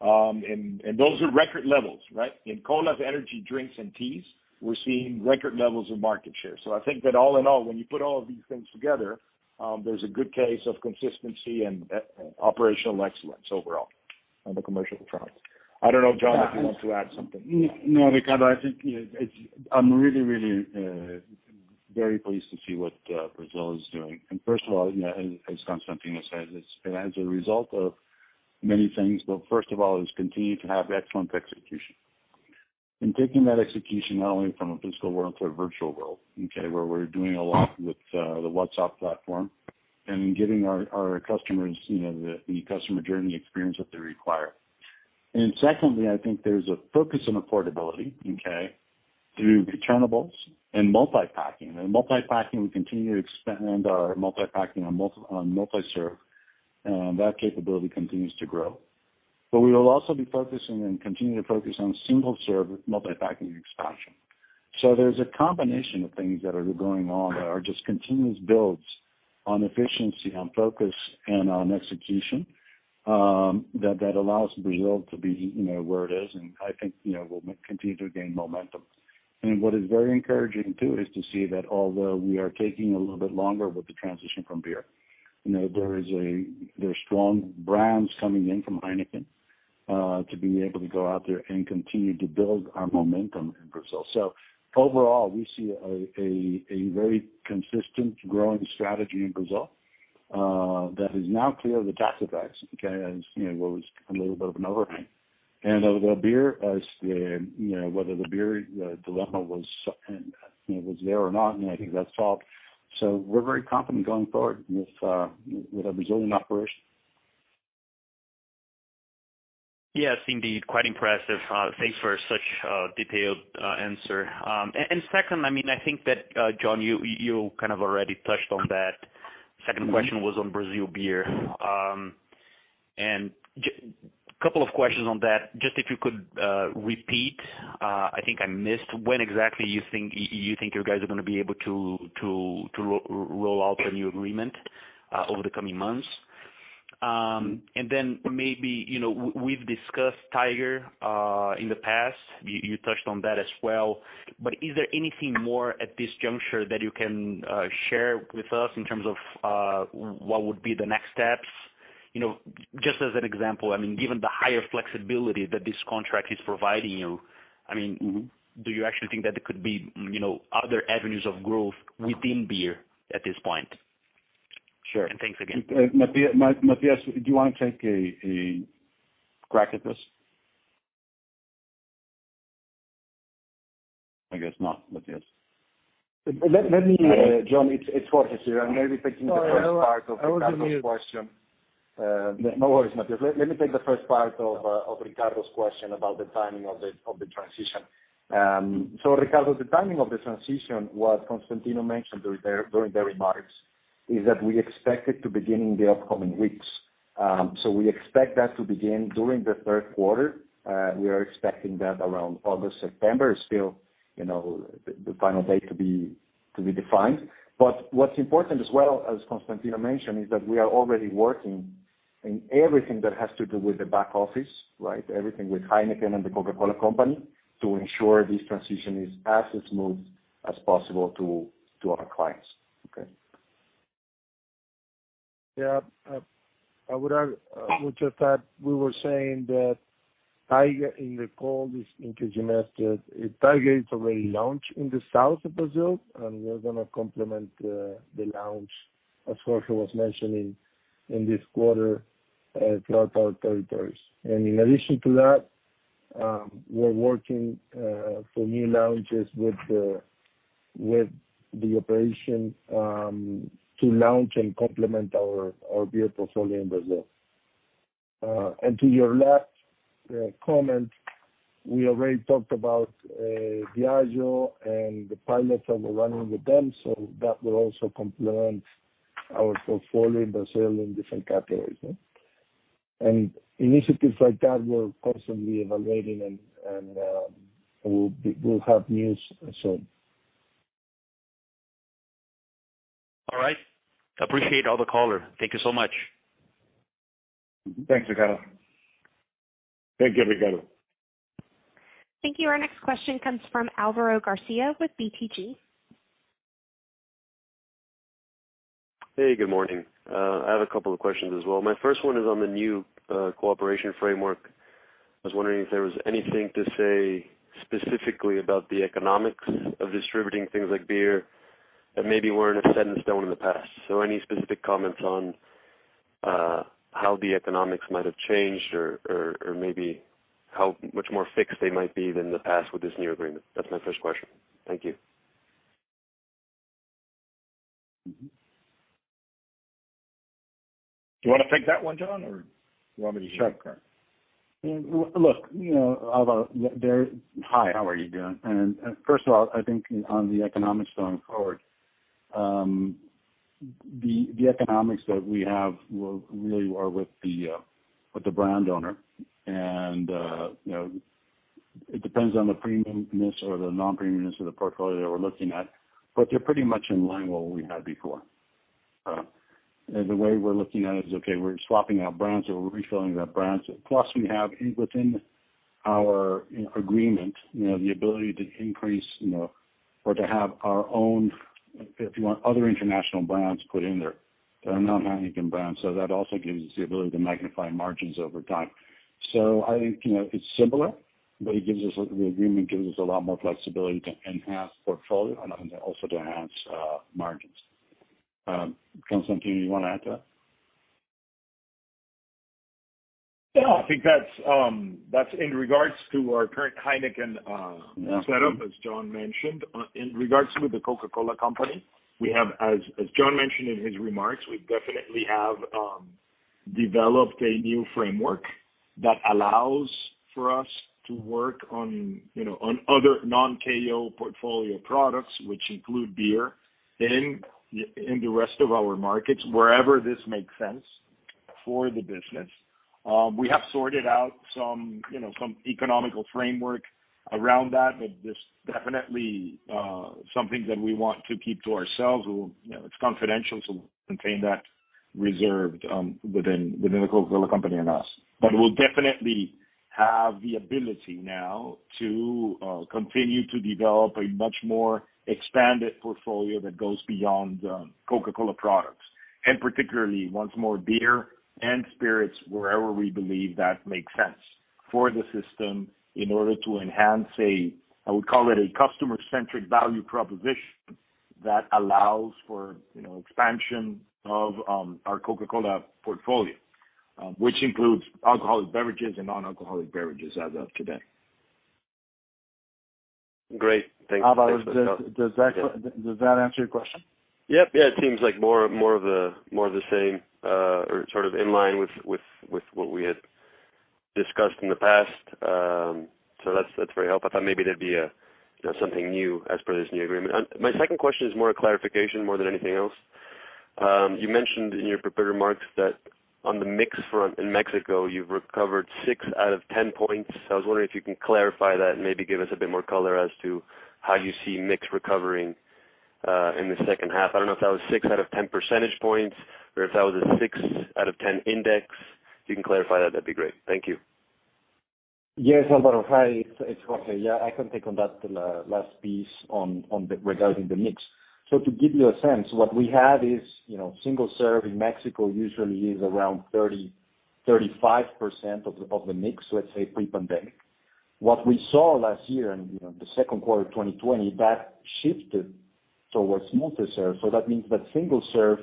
and those are record levels, right? In cola, energy drinks, and teas, we're seeing record levels of market share. So I think that all in all, when you put all of these things together, there's a good case of consistency and operational excellence overall on the commercial front. I don't know, John, if you want to add something. No, Ricardo, I think it's... I'm really, really very pleased to see what Brazil is doing. And first of all, you know, as Constantino said, it's as a result of many things, but first of all, it's continuing to have excellent execution.... and taking that execution not only from a physical world to a virtual world, okay? Where we're doing a lot with the WhatsApp platform and giving our customers, you know, the customer journey experience that they require. And secondly, I think there's a focus on affordability, okay, through returnables and multi-packing. And multi-packing, we continue to expand our multi-packing on multi-serve, that capability continues to grow. But we will also be focusing and continuing to focus on single-serve multi-packing expansion. So there's a combination of things that are going on that are just continuous builds on efficiency, on focus, and on execution, that allows Brazil to be, you know, where it is. And I think, you know, we'll continue to gain momentum. And what is very encouraging, too, is to see that although we are taking a little bit longer with the transition from beer, you know, there are strong brands coming in from Heineken to be able to go out there and continue to build our momentum in Brazil. So overall, we see a very consistent growing strategy in Brazil that is now clear of the tax effects, okay? As you know, what was a little bit of an overhang. And the beer, as you know, whether the beer dilemma was there or not, and I think that's solved. So we're very confident going forward with our Brazilian operation. Yes, indeed, quite impressive. Thanks for such a detailed answer, and second, I mean, I think that John, you kind of already touched on that. Second question was on Brazil beer, and a couple of questions on that. Just if you could repeat, I think I missed when exactly you think you guys are gonna be able to roll out the new agreement over the coming months, and then maybe, you know, we've discussed Tiger in the past. You touched on that as well. But is there anything more at this juncture that you can share with us in terms of what would be the next steps? You know, just as an example, I mean, given the higher flexibility that this contract is providing you, I mean, do you actually think that there could be, you know, other avenues of growth within beer at this point? Sure. Thanks again. Matias, do you want to take a crack at this? I guess not, Matias. Let me... John, it's Jorge here. I may be taking the first part of Ricardo's question. Sorry, I was on mute. No worries, Matias. Let me take the first part of Ricardo's question about the timing of the transition. So Ricardo, the timing of the transition, what Constantino mentioned during the remarks, is that we expect it to begin in the upcoming weeks. So we expect that to begin during the third quarter. We are expecting that around August, September. It's still, you know, the final date to be defined. But what's important as well, as Constantino mentioned, is that we are already working in everything that has to do with the back office, right? Everything with Heineken and the Coca-Cola Company, to ensure this transition is as smooth as possible to our clients. Okay? Yeah. I would add, which I thought we were saying that Tiger in the call this semester, Tiger is already launched in the south of Brazil, and we're gonna complement the launch, as Jorge was mentioning, in this quarter, throughout our territories. And in addition to that, we're working for new launches with the operation to launch and complement our beer portfolio in Brazil. And to your last comment, we already talked about Diageo and the pilots that we're running with them, so that will also complement our portfolio in Brazil in different categories. And initiatives like that, we're constantly evaluating and we'll have news soon. All right. Appreciate all the color. Thank you so much. Thanks, Ricardo. Thank you, Ricardo. Thank you. Our next question comes from Álvaro García with BTG. Hey, good morning. I have a couple of questions as well. My first one is on the new cooperation framework. I was wondering if there was anything to say specifically about the economics of distributing things like beer, that maybe weren't set in stone in the past. So any specific comments on how the economics might have changed or maybe how much more fixed they might be than the past with this new agreement? That's my first question. Thank you. Do you wanna take that one, John, or you want me to start? Sure. Look, you know, Álvaro, there. Hi, how are you doing? And first of all, I think on the economics going forward, the economics that we have really are with the brand owner. And you know, it depends on the premiumness or the non-premiumness of the portfolio that we're looking at, but they're pretty much in line with what we had before. And the way we're looking at it is, okay, we're swapping out brands, or we're rolling out brands. Plus, we have within our agreement, you know, the ability to increase, you know, or to have our own, if you want, other international brands put in there that are not Heineken brands, so that also gives us the ability to magnify margins over time. So I think, you know, it's similar, but it gives us, the agreement gives us a lot more flexibility to enhance portfolio and also to enhance margins. Constantino, you wanna add to that? ... Yeah, I think that's in regards to our current Heineken setup, as John mentioned. In regards to the Coca-Cola Company, we have, as John mentioned in his remarks, we definitely have developed a new framework that allows for us to work on, you know, on other non-KO portfolio products, which include beer, in the rest of our markets, wherever this makes sense for the business. We have sorted out some, you know, some economic framework around that, but this definitely something that we want to keep to ourselves. We'll, you know, it's confidential, so we'll keep that reserved within the Coca-Cola Company and us. But we'll definitely have the ability now to continue to develop a much more expanded portfolio that goes beyond Coca-Cola products. Particularly, once more beer and spirits, wherever we believe that makes sense for the system in order to enhance a, I would call it a customer-centric value proposition that allows for, you know, expansion of our Coca-Cola portfolio, which includes alcoholic beverages and non-alcoholic beverages as of today. Great. Thank you. Alberto, does that answer your question? Yep. Yeah, it seems like more of the same, or sort of in line with what we had discussed in the past. So that's very helpful. I thought maybe there'd be a, you know, something new as per this new agreement, and my second question is more a clarification more than anything else. You mentioned in your prepared remarks that on the mix front in Mexico, you've recovered six out of ten points. I was wondering if you can clarify that and maybe give us a bit more color as to how you see mix recovering in the second half. I don't know if that was six out of ten percentage points, or if that was a six out of ten index. If you can clarify that, that'd be great. Thank you. Yes, Alberto. Hi, it's Jorge. Yeah, I can take on that last piece regarding the mix. So to give you a sense, what we had is, you know, single serve in Mexico usually is around 35% of the mix, let's say pre-pandemic. What we saw last year in, you know, the second quarter of 2020, that shifted towards multi-serve. So that means that single serve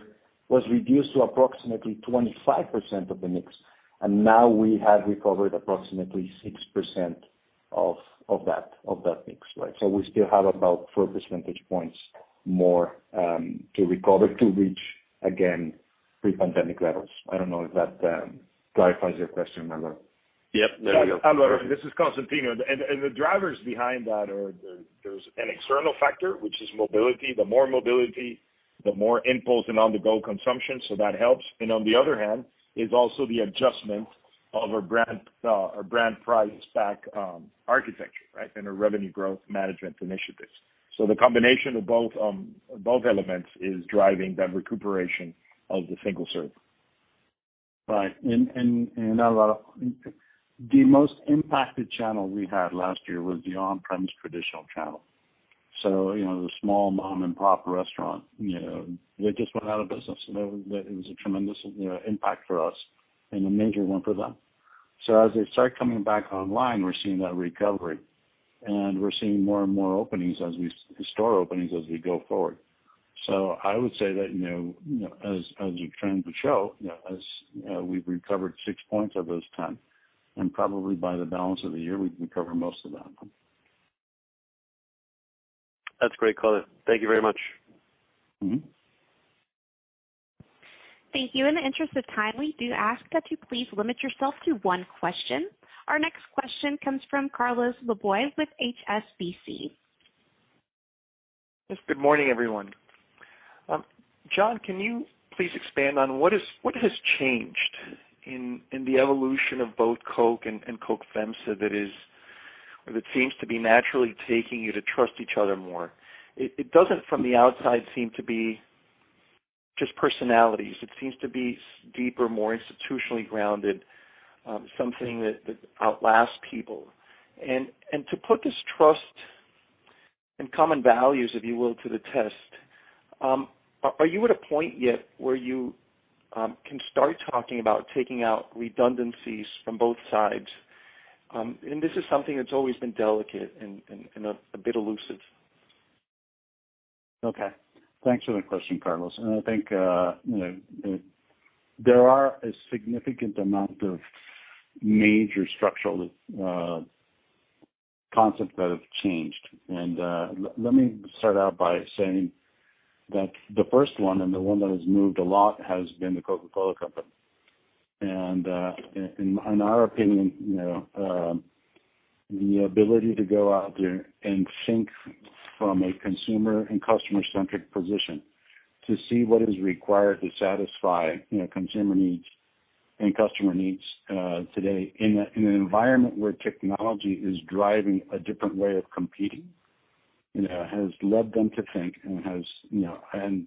was reduced to approximately 25% of the mix, and now we have recovered approximately 6% of that mix, right? So we still have about four percentage points more to recover to reach again pre-pandemic levels. I don't know if that clarifies your question, Alberto. Yep. Alberto, this is Constantino. The drivers behind that are there. There's an external factor, which is mobility. The more mobility, the more impulse and on-the-go consumption, so that helps, and on the other hand is also the adjustment of our brand price pack architecture, right, and our revenue growth management initiatives, so the combination of both elements is driving that recuperation of the single serve. Right. And Álvaro, the most impacted channel we had last year was the on-premise traditional channel. So, you know, the small mom-and-pop restaurant, you know, they just went out of business. So that it was a tremendous impact for us and a major one for them. So as they start coming back online, we're seeing that recovery, and we're seeing more and more openings as we store openings as we go forward. So I would say that, you know, as you're trying to show, you know, as we've recovered six points of those 10, and probably by the balance of the year, we've recovered most of that. That's great color. Thank you very much. Mm-hmm. Thank you. In the interest of time, we do ask that you please limit yourself to one question. Our next question comes from Carlos Laboy with HSBC. Yes, good morning, everyone. John, can you please expand on what has changed in the evolution of both Coke and Coke FEMSA that seems to be naturally taking you to trust each other more? It doesn't, from the outside, seem to be just personalities. It seems to be deeper, more institutionally grounded, something that outlasts people. To put this trust and common values, if you will, to the test, are you at a point yet where you can start talking about taking out redundancies from both sides? This is something that's always been delicate and a bit elusive. Okay. Thanks for the question, Carlos. And I think, you know, there are a significant amount of major structural concepts that have changed. And, let me start out by saying that the first one, and the one that has moved a lot, has been the Coca-Cola Company. And, in our opinion, you know, the ability to go out there and think from a consumer and customer-centric position to see what is required to satisfy, You know, consumer needs and customer needs, today, in an environment where technology is driving a different way of competing, you know, has led them to think and has, you know, and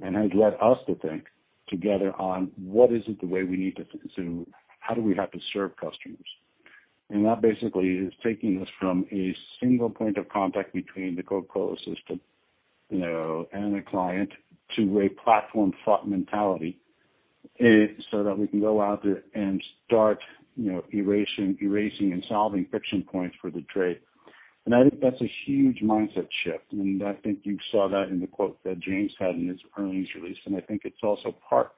has led us to think together on what is it the way we need to consume? How do we have to serve customers? That basically is taking us from a single point of contact between the Coca-Cola system, you know, and the client, to a platform thought mentality, so that we can go out there and start, you know, erasing and solving friction points for the trade. And I think that's a huge mindset shift, and I think you saw that in the quote that James had in his earnings release. And I think it's also part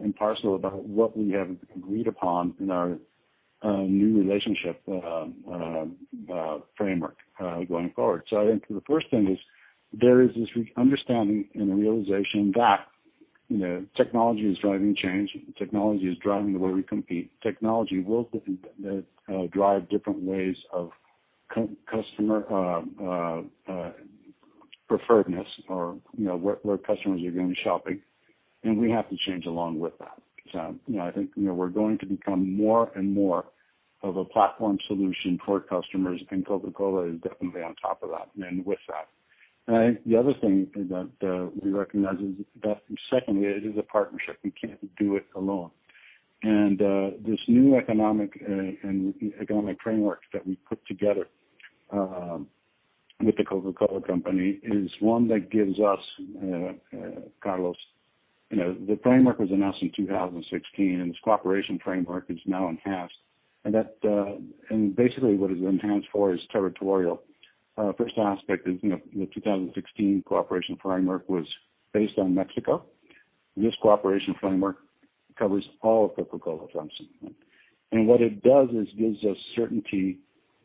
and parcel about what we have agreed upon in our new relationship framework going forward. So I think the first thing is there is this understanding and the realization that, you know, technology is driving change, technology is driving the way we compete. Technology will drive different ways of customer preferredness or, you know, where customers are going shopping, and we have to change along with that. So, you know, I think, you know, we're going to become more and more of a platform solution for customers, and Coca-Cola is definitely on top of that, and with that. I think the other thing that we recognize is that secondly, it is a partnership. We can't do it alone, and this new economic framework that we put together with the Coca-Cola Company is one that gives us, Carlos, you know, the framework was announced in 2016, and this cooperation framework is now enhanced, and basically what it enhanced for is territorial. First aspect is, you know, the 2016 cooperation framework was based on Mexico. This cooperation framework covers all of Coca-Cola FEMSA. And what it does is gives us certainty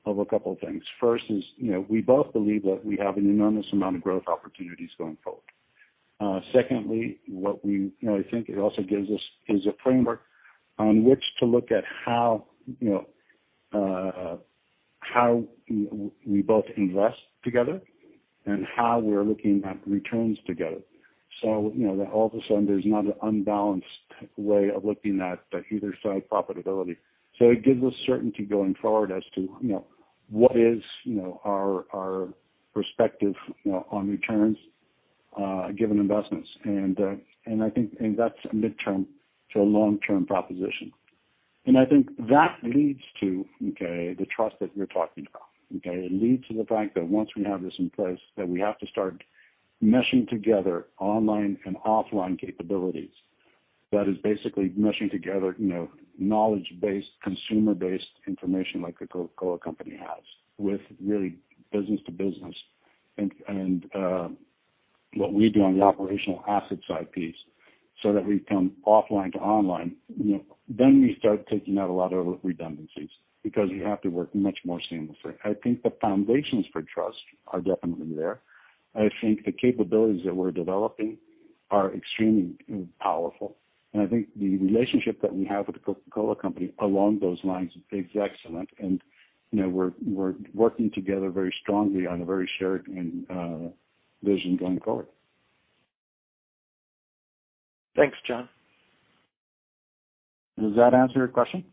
of a couple of things. First is, you know, we both believe that we have an enormous amount of growth opportunities going forward. Secondly, what we, you know, I think it also gives us is a framework on which to look at how, you know, how we, we both invest together and how we're looking at returns together. So, you know, all of a sudden, there's not an unbalanced way of looking at the either side profitability. So it gives us certainty going forward as to, you know, what is, you know, our, our perspective, you know, on returns, given investments. And, and I think, and that's a midterm to a long-term proposition. And I think that leads to, okay, the trust that you're talking about, okay? It leads to the fact that once we have this in place, that we have to start meshing together online and offline capabilities. That is basically meshing together, you know, knowledge-based, consumer-based information like the Coca-Cola Company has, with really business to business and what we do on the operational asset side piece, so that we come offline to online. You know, then we start taking out a lot of redundancies because you have to work much more seamlessly. I think the foundations for trust are definitely there. I think the capabilities that we're developing are extremely powerful, and I think the relationship that we have with the Coca-Cola Company along those lines is excellent. And, you know, we're working together very strongly on a very shared vision going forward. Thanks, John. Does that answer your question?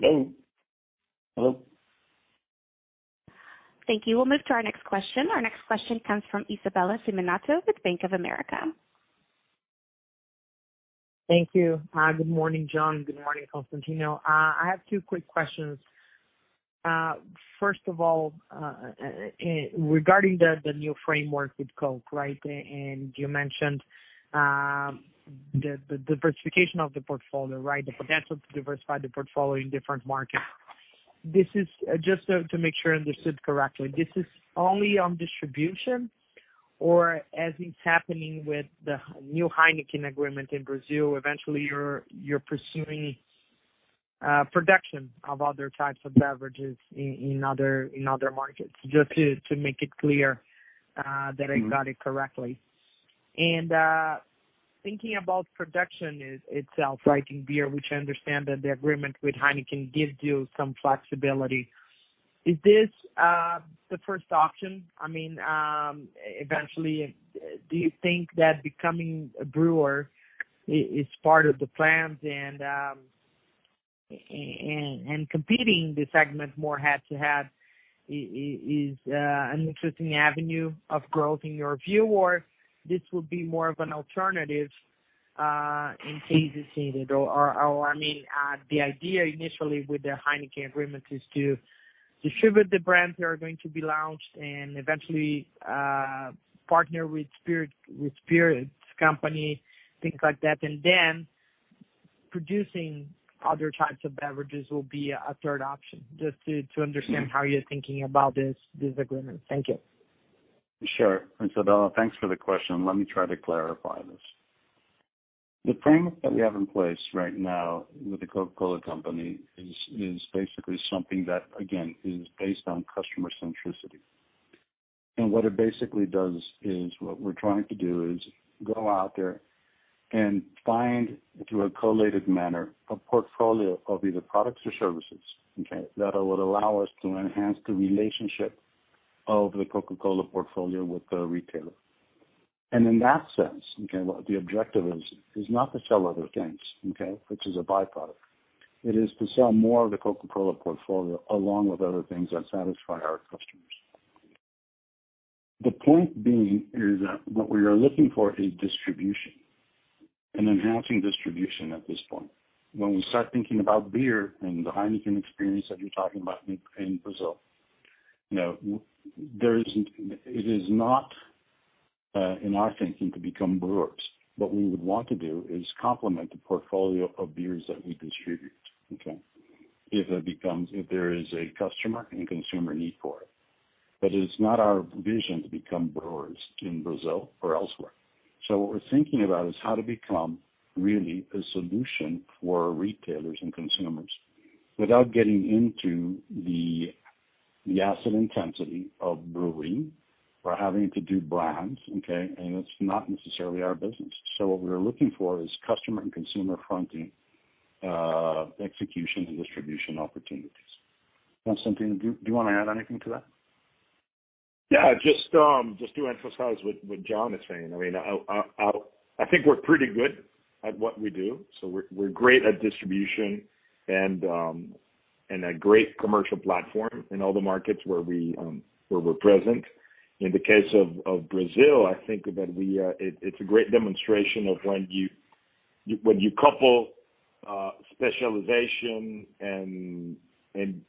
Hello? Hello. Hello. Thank you. We'll move to our next question. Our next question comes from Isabella Simonato with Bank of America. Thank you. Good morning, John. Good morning, Constantino. I have two quick questions. First of all, regarding the new framework with Coke, right? And you mentioned the diversification of the portfolio, right? The potential to diversify the portfolio in different markets. This is just to make sure I understood correctly, this is only on distribution, or as is happening with the new Heineken agreement in Brazil, eventually, you're pursuing production of other types of beverages in other markets? Just to make it clear that I got it correctly. And thinking about production itself, like in beer, which I understand that the agreement with Heineken gives you some flexibility. Is this the first option? I mean, eventually, do you think that becoming a brewer is part of the plans and, and competing this segment more head-to-head is, an interesting avenue of growth in your view, or this would be more of an alternative, in case it's needed? Or, I mean, the idea initially with the Heineken agreement is to distribute the brands that are going to be launched and eventually, partner with spirit, with spirits company, things like that, and then producing other types of beverages will be a third option. Just to understand how you're thinking about this agreement. Thank you. Sure, Isabella, thanks for the question. Let me try to clarify this. The framework that we have in place right now with the Coca-Cola Company is basically something that, again, is based on customer centricity. And what it basically does is go out there and find, through a collated manner, a portfolio of either products or services, okay? That would allow us to enhance the relationship of the Coca-Cola portfolio with the retailer. And in that sense, okay, what the objective is not to sell other things, okay? Which is a byproduct. It is to sell more of the Coca-Cola portfolio, along with other things that satisfy our customers. The point being that what we are looking for is distribution and enhancing distribution at this point. When we start thinking about beer and the Heineken experience that you're talking about in Brazil, you know, there isn't. It is not in our thinking to become brewers. What we would want to do is complement the portfolio of beers that we distribute, okay? If there is a customer and consumer need for it. But it's not our vision to become brewers in Brazil or elsewhere. So what we're thinking about is how to become really a solution for retailers and consumers without getting into the asset intensity of brewing or having to do brands, okay? And it's not necessarily our business. So what we're looking for is customer and consumer fronting, execution and distribution opportunities. Juan Antonio, do you want to add anything to that? Yeah, just to emphasize what John is saying. I mean, I think we're pretty good at what we do. So we're great at distribution and a great commercial platform in all the markets where we're present. In the case of Brazil, I think that it's a great demonstration of when you couple specialization and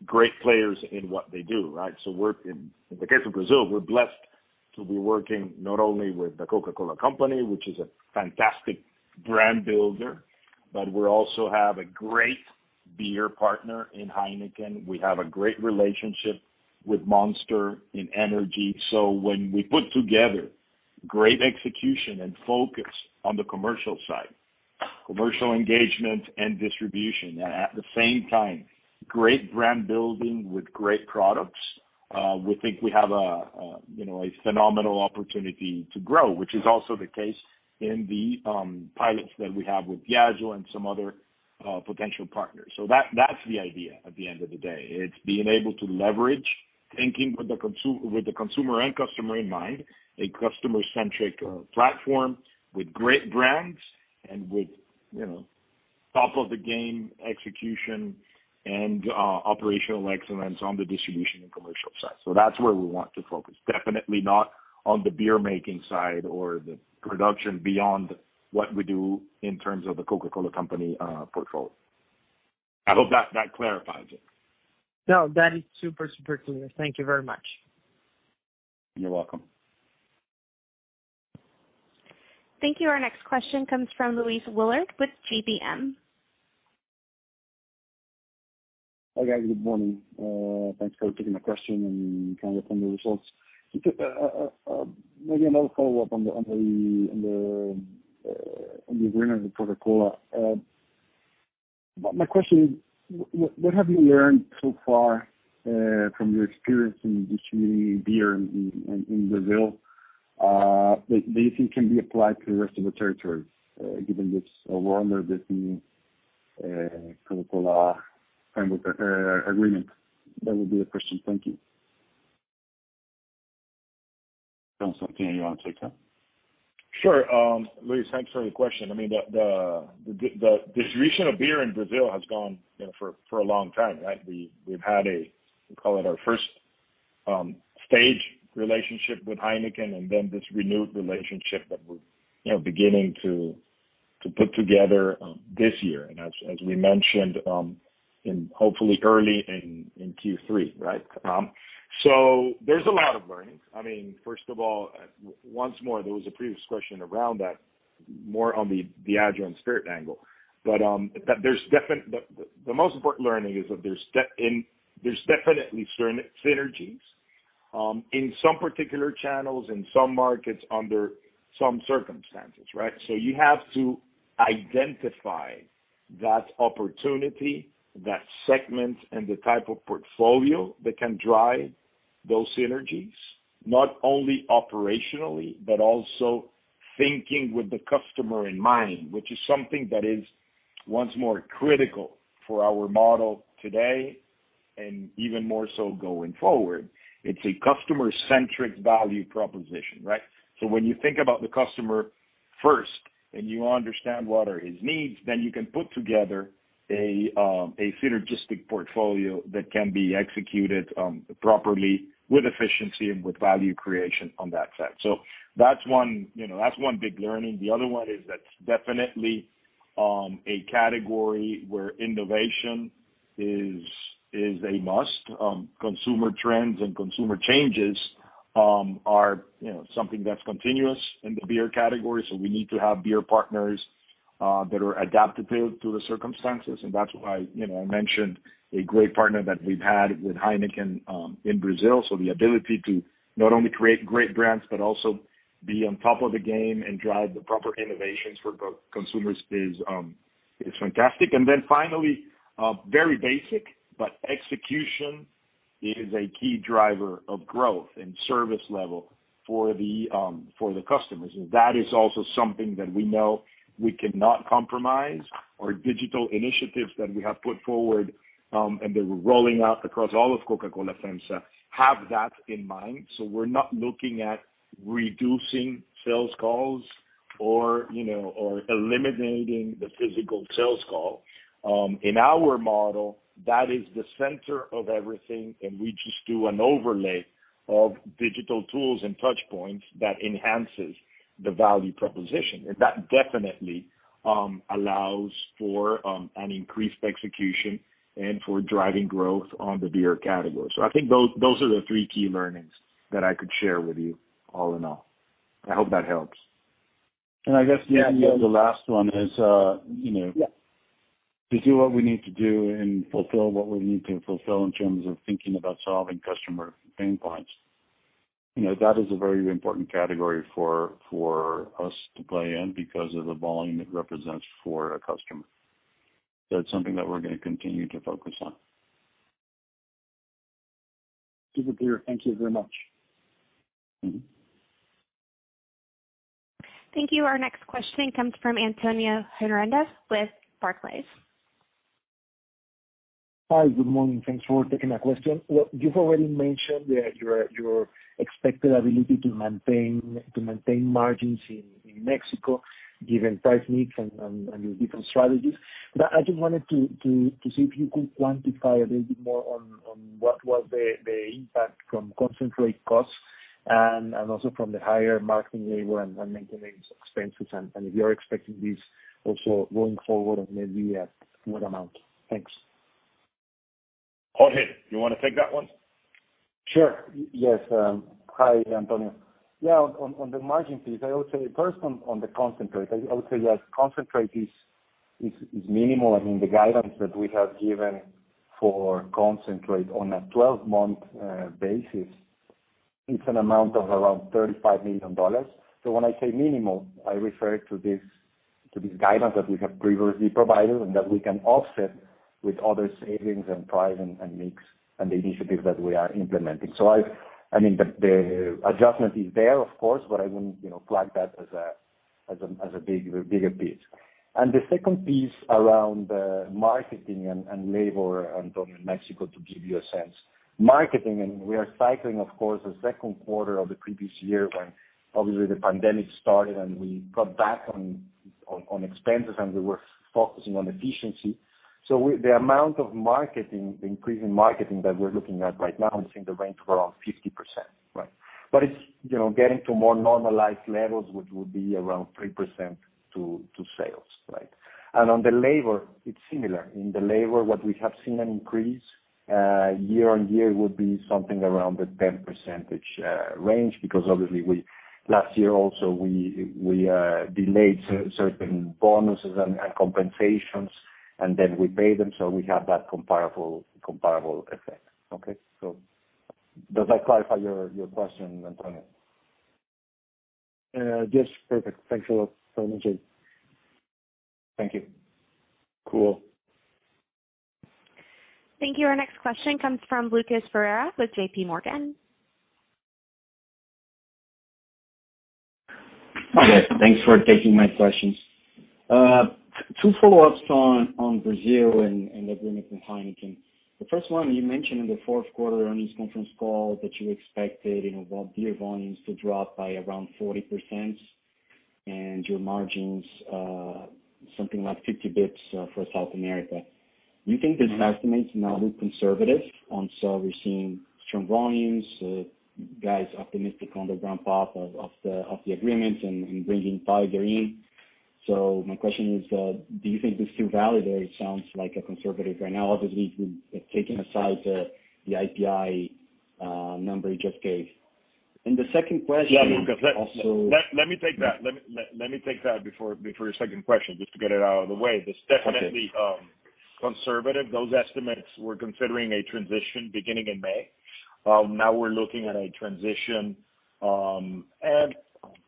great players in what they do, right? So in the case of Brazil, we're blessed to be working not only with The Coca-Cola Company, which is a fantastic brand builder, but we also have a great beer partner in Heineken. We have a great relationship with Monster in energy. So when we put together great execution and focus on the commercial side, commercial engagement and distribution, at the same time, great brand building with great products, we think we have a, you know, a phenomenal opportunity to grow. Which is also the case in the pilots that we have with Diageo and some other potential partners. So that's the idea at the end of the day. It's being able to leverage thinking with the consumer and customer in mind, a customer-centric platform with great brands and with, you know, top of the game execution and operational excellence on the distribution and commercial side. So that's where we want to focus, definitely not on the beer making side or the production beyond what we do in terms of the Coca-Cola Company portfolio. I hope that clarifies it. No, that is super, super clear. Thank you very much. You're welcome. Thank you. Our next question comes from Luis Willard with GBM. Hi, guys. Good morning. Thanks for taking my question and kind of on the results. Maybe another follow-up on the agreement with Coca-Cola. My question is, what have you learned so far from your experience in distributing beer in Brazil that you think can be applied to the rest of the territories, given this one with the Coca-Cola agreement? That would be the question. Thank you. Constantino, you want to take that? Sure, Luis, thanks for the question. I mean, the distribution of beer in Brazil has gone, you know, for a long time, right? We've had a, we call it our first stage relationship with Heineken, and then this renewed relationship that we're, you know, beginning to put together this year. And as we mentioned in hopefully early in Q3, right? So there's a lot of learnings. I mean, first of all, once more, there was a previous question around that, more on the Diageo and spirit angle. But there's definitely the most important learning is that there's and there's definitely certain synergies in some particular channels, in some markets, under some circumstances, right? So you have to identify that opportunity, that segment, and the type of portfolio that can drive those synergies, not only operationally, but also thinking with the customer in mind, which is something that is once more critical for our model today and even more so going forward. It's a customer-centric value proposition, right? So when you think about the customer first and you understand what are his needs, then you can put together a synergistic portfolio that can be executed properly with efficiency and with value creation on that side. So that's one, you know, that's one big learning. The other one is that's definitely a category where innovation is a must. Consumer trends and consumer changes are, you know, something that's continuous in the beer category. So we need to have beer partners that are adaptive to the circumstances, and that's why, you know, I mentioned a great partner that we've had with Heineken in Brazil. So the ability to not only create great brands, but also be on top of the game and drive the proper innovations for both consumers is fantastic. And then finally, very basic, but execution is a key driver of growth and service level for the customers. And that is also something that we know we cannot compromise. Our digital initiatives that we have put forward and that we're rolling out across all of Coca-Cola FEMSA have that in mind. So we're not looking at reducing sales calls or, you know, or eliminating the physical sales call... In our model, that is the center of everything, and we just do an overlay of digital tools and touchpoints that enhances the value proposition, and that definitely allows for an increased execution and for driving growth on the beer category, so I think those are the three key learnings that I could share with you all in all. I hope that helps. I guess the last one is, you know- Yeah. To do what we need to do and fulfill what we need to fulfill in terms of thinking about solving customer pain points. You know, that is a very important category for us to play in because of the volume it represents for a customer. That's something that we're gonna continue to focus on. Super clear. Thank you very much. Mm-hmm. Thank you. Our next question comes from Antonio Hernandez with Barclays. Hi, good morning. Thanks for taking my question. Well, you've already mentioned your expected ability to maintain margins in Mexico, given price mix and your different strategies. But I just wanted to see if you could quantify a little bit more on what was the impact from concentrate costs and also from the higher marketing labor and maintenance expenses, and if you're expecting this also going forward, and maybe what amount? Thanks. Jorge, you wanna take that one? Sure. Yes, hi, Antonio. Yeah, on the margin piece, I would say first on the concentrate, I would say, yes, concentrate is minimal, and in the guidance that we have given for concentrate on a twelve-month basis, it's an amount of around $35 million. So when I say minimal, I refer to this guidance that we have previously provided, and that we can offset with other savings and price and mix and the initiatives that we are implementing. So I've... I mean, the adjustment is there, of course, but I wouldn't, you know, flag that as a big, bigger piece. And the second piece around marketing and labor, Antonio, in Mexico, to give you a sense. Marketing, and we are cycling, of course, the second quarter of the previous year when obviously the pandemic started, and we cut back on expenses, and we were focusing on efficiency. So we- the amount of marketing, the increase in marketing that we're looking at right now is in the range of around 50%, right? But it's, you know, getting to more normalized levels, which would be around 3% to sales, right? And on the labor, it's similar. In the labor, what we have seen an increase year on year would be something around the 10% range, because obviously we last year also, we delayed certain bonuses and compensations, and then we paid them, so we have that comparable effect. Okay, so does that clarify your question, Antonio? Yes. Perfect. Thanks a lot, Jorge. Thank you. Cool. Thank you. Our next question comes from Lucas Ferreira with J.P. Morgan. Hi, guys. Thanks for taking my questions. Two follow-ups on Brazil and agreement with Heineken. The first one, you mentioned in the fourth quarter earnings conference call that you expected, you know, about beer volumes to drop by around 40% and your margins something like 50 basis points for South America. Do you think these estimates now look conservative? And so we're seeing strong volumes, guys optimistic on the ramp-up of the agreements and bringing Tiger in. So my question is, do you think this is still valid, or it sounds like a conservative right now? Obviously, with taking aside the IPI number you just gave. And the second question also- Let me take that before your second question, just to get it out of the way. Okay. This is definitely conservative. Those estimates, we're considering a transition beginning in May. Now we're looking at a transition at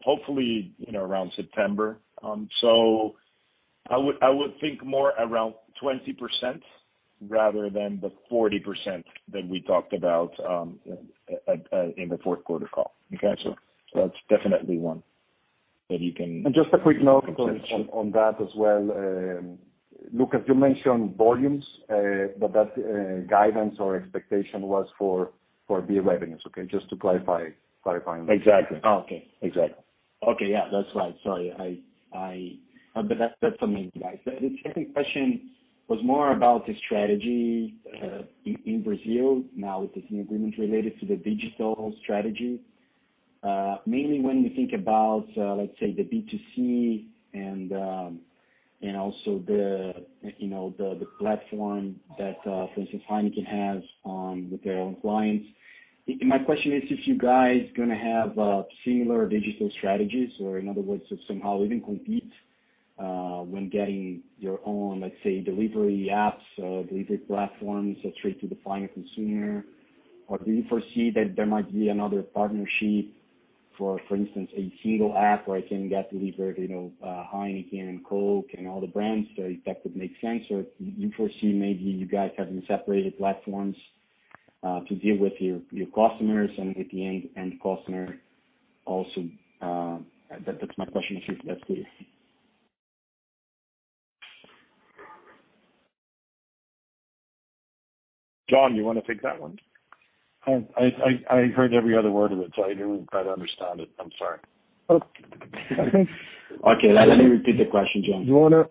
hopefully, you know, around September. So I would think more around 20% rather than the 40% that we talked about in the fourth quarter call. Okay? So that's definitely one that you can- Just a quick note on that as well. Lucas, you mentioned volumes, but that guidance or expectation was for beer revenues, okay? Just to clarify. Exactly. Okay. Exactly. Okay, yeah, that's right. Sorry, I... But that's amazing, guys. The second question was more about the strategy in Brazil now with this new agreement related to the digital strategy. Mainly when you think about, let's say, the B2C and also the, you know, the platform that, for instance, Heineken has with their own clients. My question is if you guys gonna have similar digital strategies, or in other words, to somehow even compete when getting your own, let's say, delivery apps, delivery platforms straight to the final consumer? Or do you foresee that there might be another partnership for instance, a single app where I can get delivered, you know, Heineken and Coke and all the brands, so if that would make sense, or do you foresee maybe you guys having separated platforms to deal with your customers and the end customer also? That's my question, if that's clear.... John, you wanna take that one? I heard every other word of it, so I didn't quite understand it. I'm sorry. Okay. Okay, let me repeat the question, John. You wanna,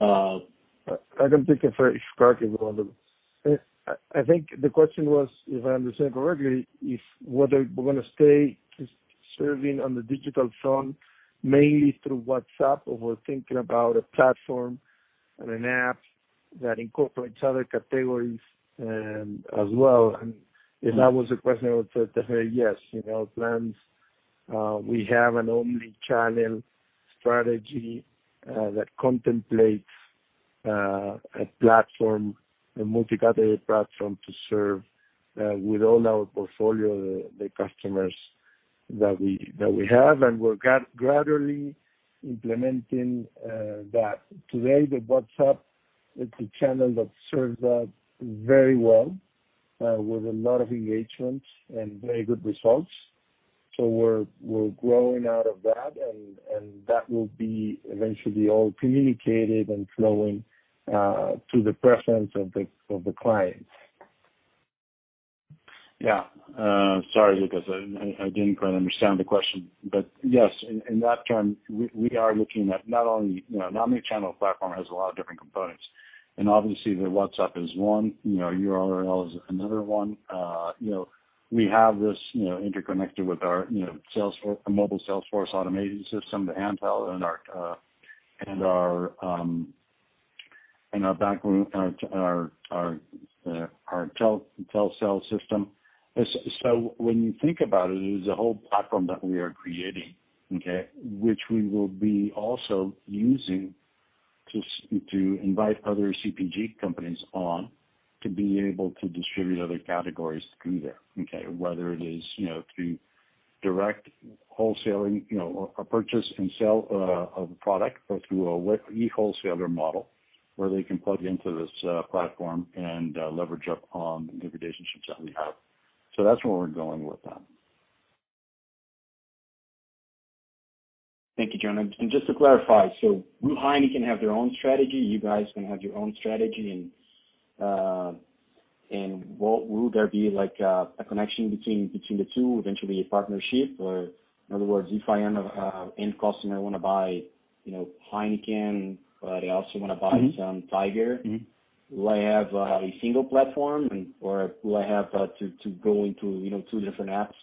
I can take it if Carlos wants to. I think the question was, if I understand correctly, is whether we're gonna stay serving on the digital front, mainly through WhatsApp, or we're thinking about a platform and an app that incorporates other categories, as well. And if that was the question, I would say yes. You know, plans, we have an omni-channel strategy, that contemplates, a platform, a multi-category platform to serve, with all our portfolio, the customers that we have. And we're gradually implementing, that. Today, the WhatsApp is the channel that serves that very well, with a lot of engagement and very good results. So we're growing out of that, and that will be eventually all communicated and flowing, to the presence of the clients. Yeah. Sorry, Lucas, I didn't quite understand the question. But yes, in that term, we are looking at not only... You know, an omni-channel platform has a lot of different components, and obviously, the WhatsApp is one, you know, URL is another one. You know, we have this, you know, interconnected with our, you know, sales force mobile Salesforce automation system, the Handheld, and our back room, our telesale system. So when you think about it, it is a whole platform that we are creating, okay? Which we will be also using to invite other CPG companies on, to be able to distribute other categories through there, okay? Whether it is, you know, through direct wholesaling, you know, or a purchase and sell of a product or through a wholesaler model, where they can plug into this platform and leverage up on the relationships that we have. So that's where we're going with that. Thank you, John. And just to clarify, so Heineken can have their own strategy, you guys can have your own strategy, and what will there be like a connection between the two, eventually a partnership? Or in other words, if I am an end customer, I wanna buy, you know, Heineken, but I also wanna buy- Mm-hmm... some Tiger. Mm-hmm. Will I have, uh, a single platform and or will I have, uh, to, to go into, you know, two different apps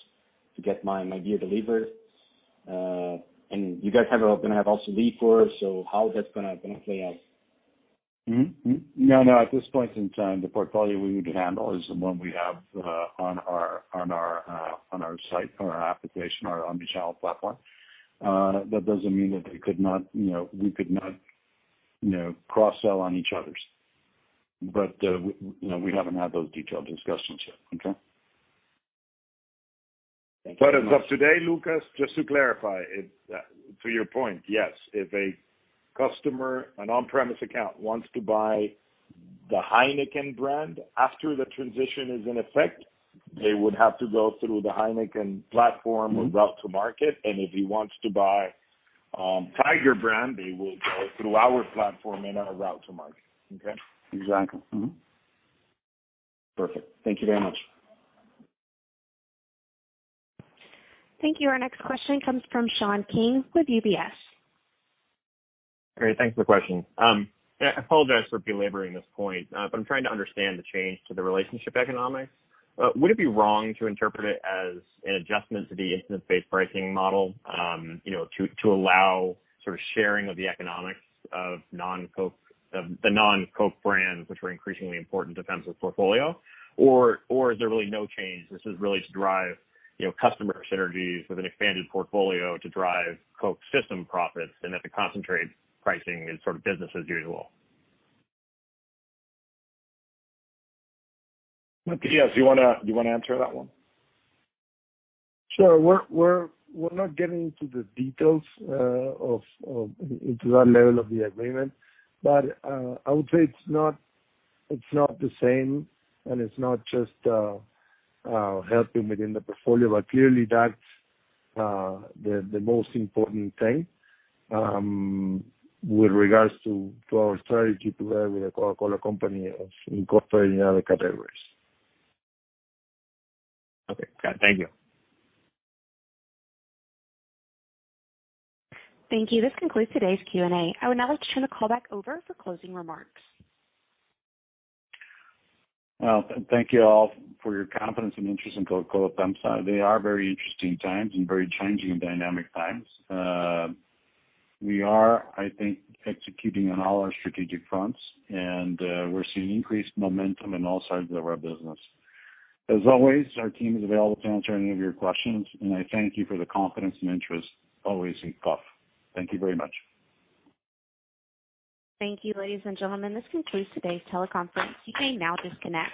to get my, my beer delivered? Uh, and you guys have, gonna have also Salesforce, so how is that gonna, gonna play out? Mm-hmm. Mm-hmm. No, no, at this point in time, the portfolio we would handle is the one we have on our site, on our application, our omni-channel platform. That doesn't mean that we could not, you know, cross-sell on each others. But, you know, we haven't had those detailed discussions yet. Okay? Thank you. But as of today, Lucas, just to clarify, it, to your point, yes, if a customer, an on-premise account, wants to buy the Heineken brand after the transition is in effect, they would have to go through the Heineken platform- Mm-hmm... or route to market, and if he wants to buy Tiger brand, they will go through our platform and our route to market. Okay? Exactly. Mm-hmm. Perfect. Thank you very much. Thank you. Our next question comes from Sean King with UBS. Great, thanks for the question. I apologize for belaboring this point, but I'm trying to understand the change to the relationship economics. Would it be wrong to interpret it as an adjustment to the instance-based pricing model, you know, to allow sort of sharing of the economics of the non-Coke brands, which are increasingly important to Pepsi's portfolio? Or is there really no change? This is really to drive, you know, customer synergies with an expanded portfolio to drive Coke system profits, and that the concentrate pricing is sort of business as usual. Okay, yes. You wanna, you wanna answer that one? Sure. We're not getting into the details into that level of the agreement. But I would say it's not the same, and it's not just helping within the portfolio, but clearly that's the most important thing with regards to our strategy together with the Coca-Cola Company of incorporating other categories. Okay, got it. Thank you. Thank you. This concludes today's Q&A. I would now like to turn the call back over for closing remarks. Well, thank you all for your confidence and interest in Coca-Cola FEMSA. They are very interesting times and very changing and dynamic times. We are, I think, executing on all our strategic fronts, and we're seeing increased momentum in all sides of our business. As always, our team is available to answer any of your questions, and I thank you for the confidence and interest always in Coke. Thank you very much. Thank you, ladies and gentlemen. This concludes today's teleconference. You may now disconnect.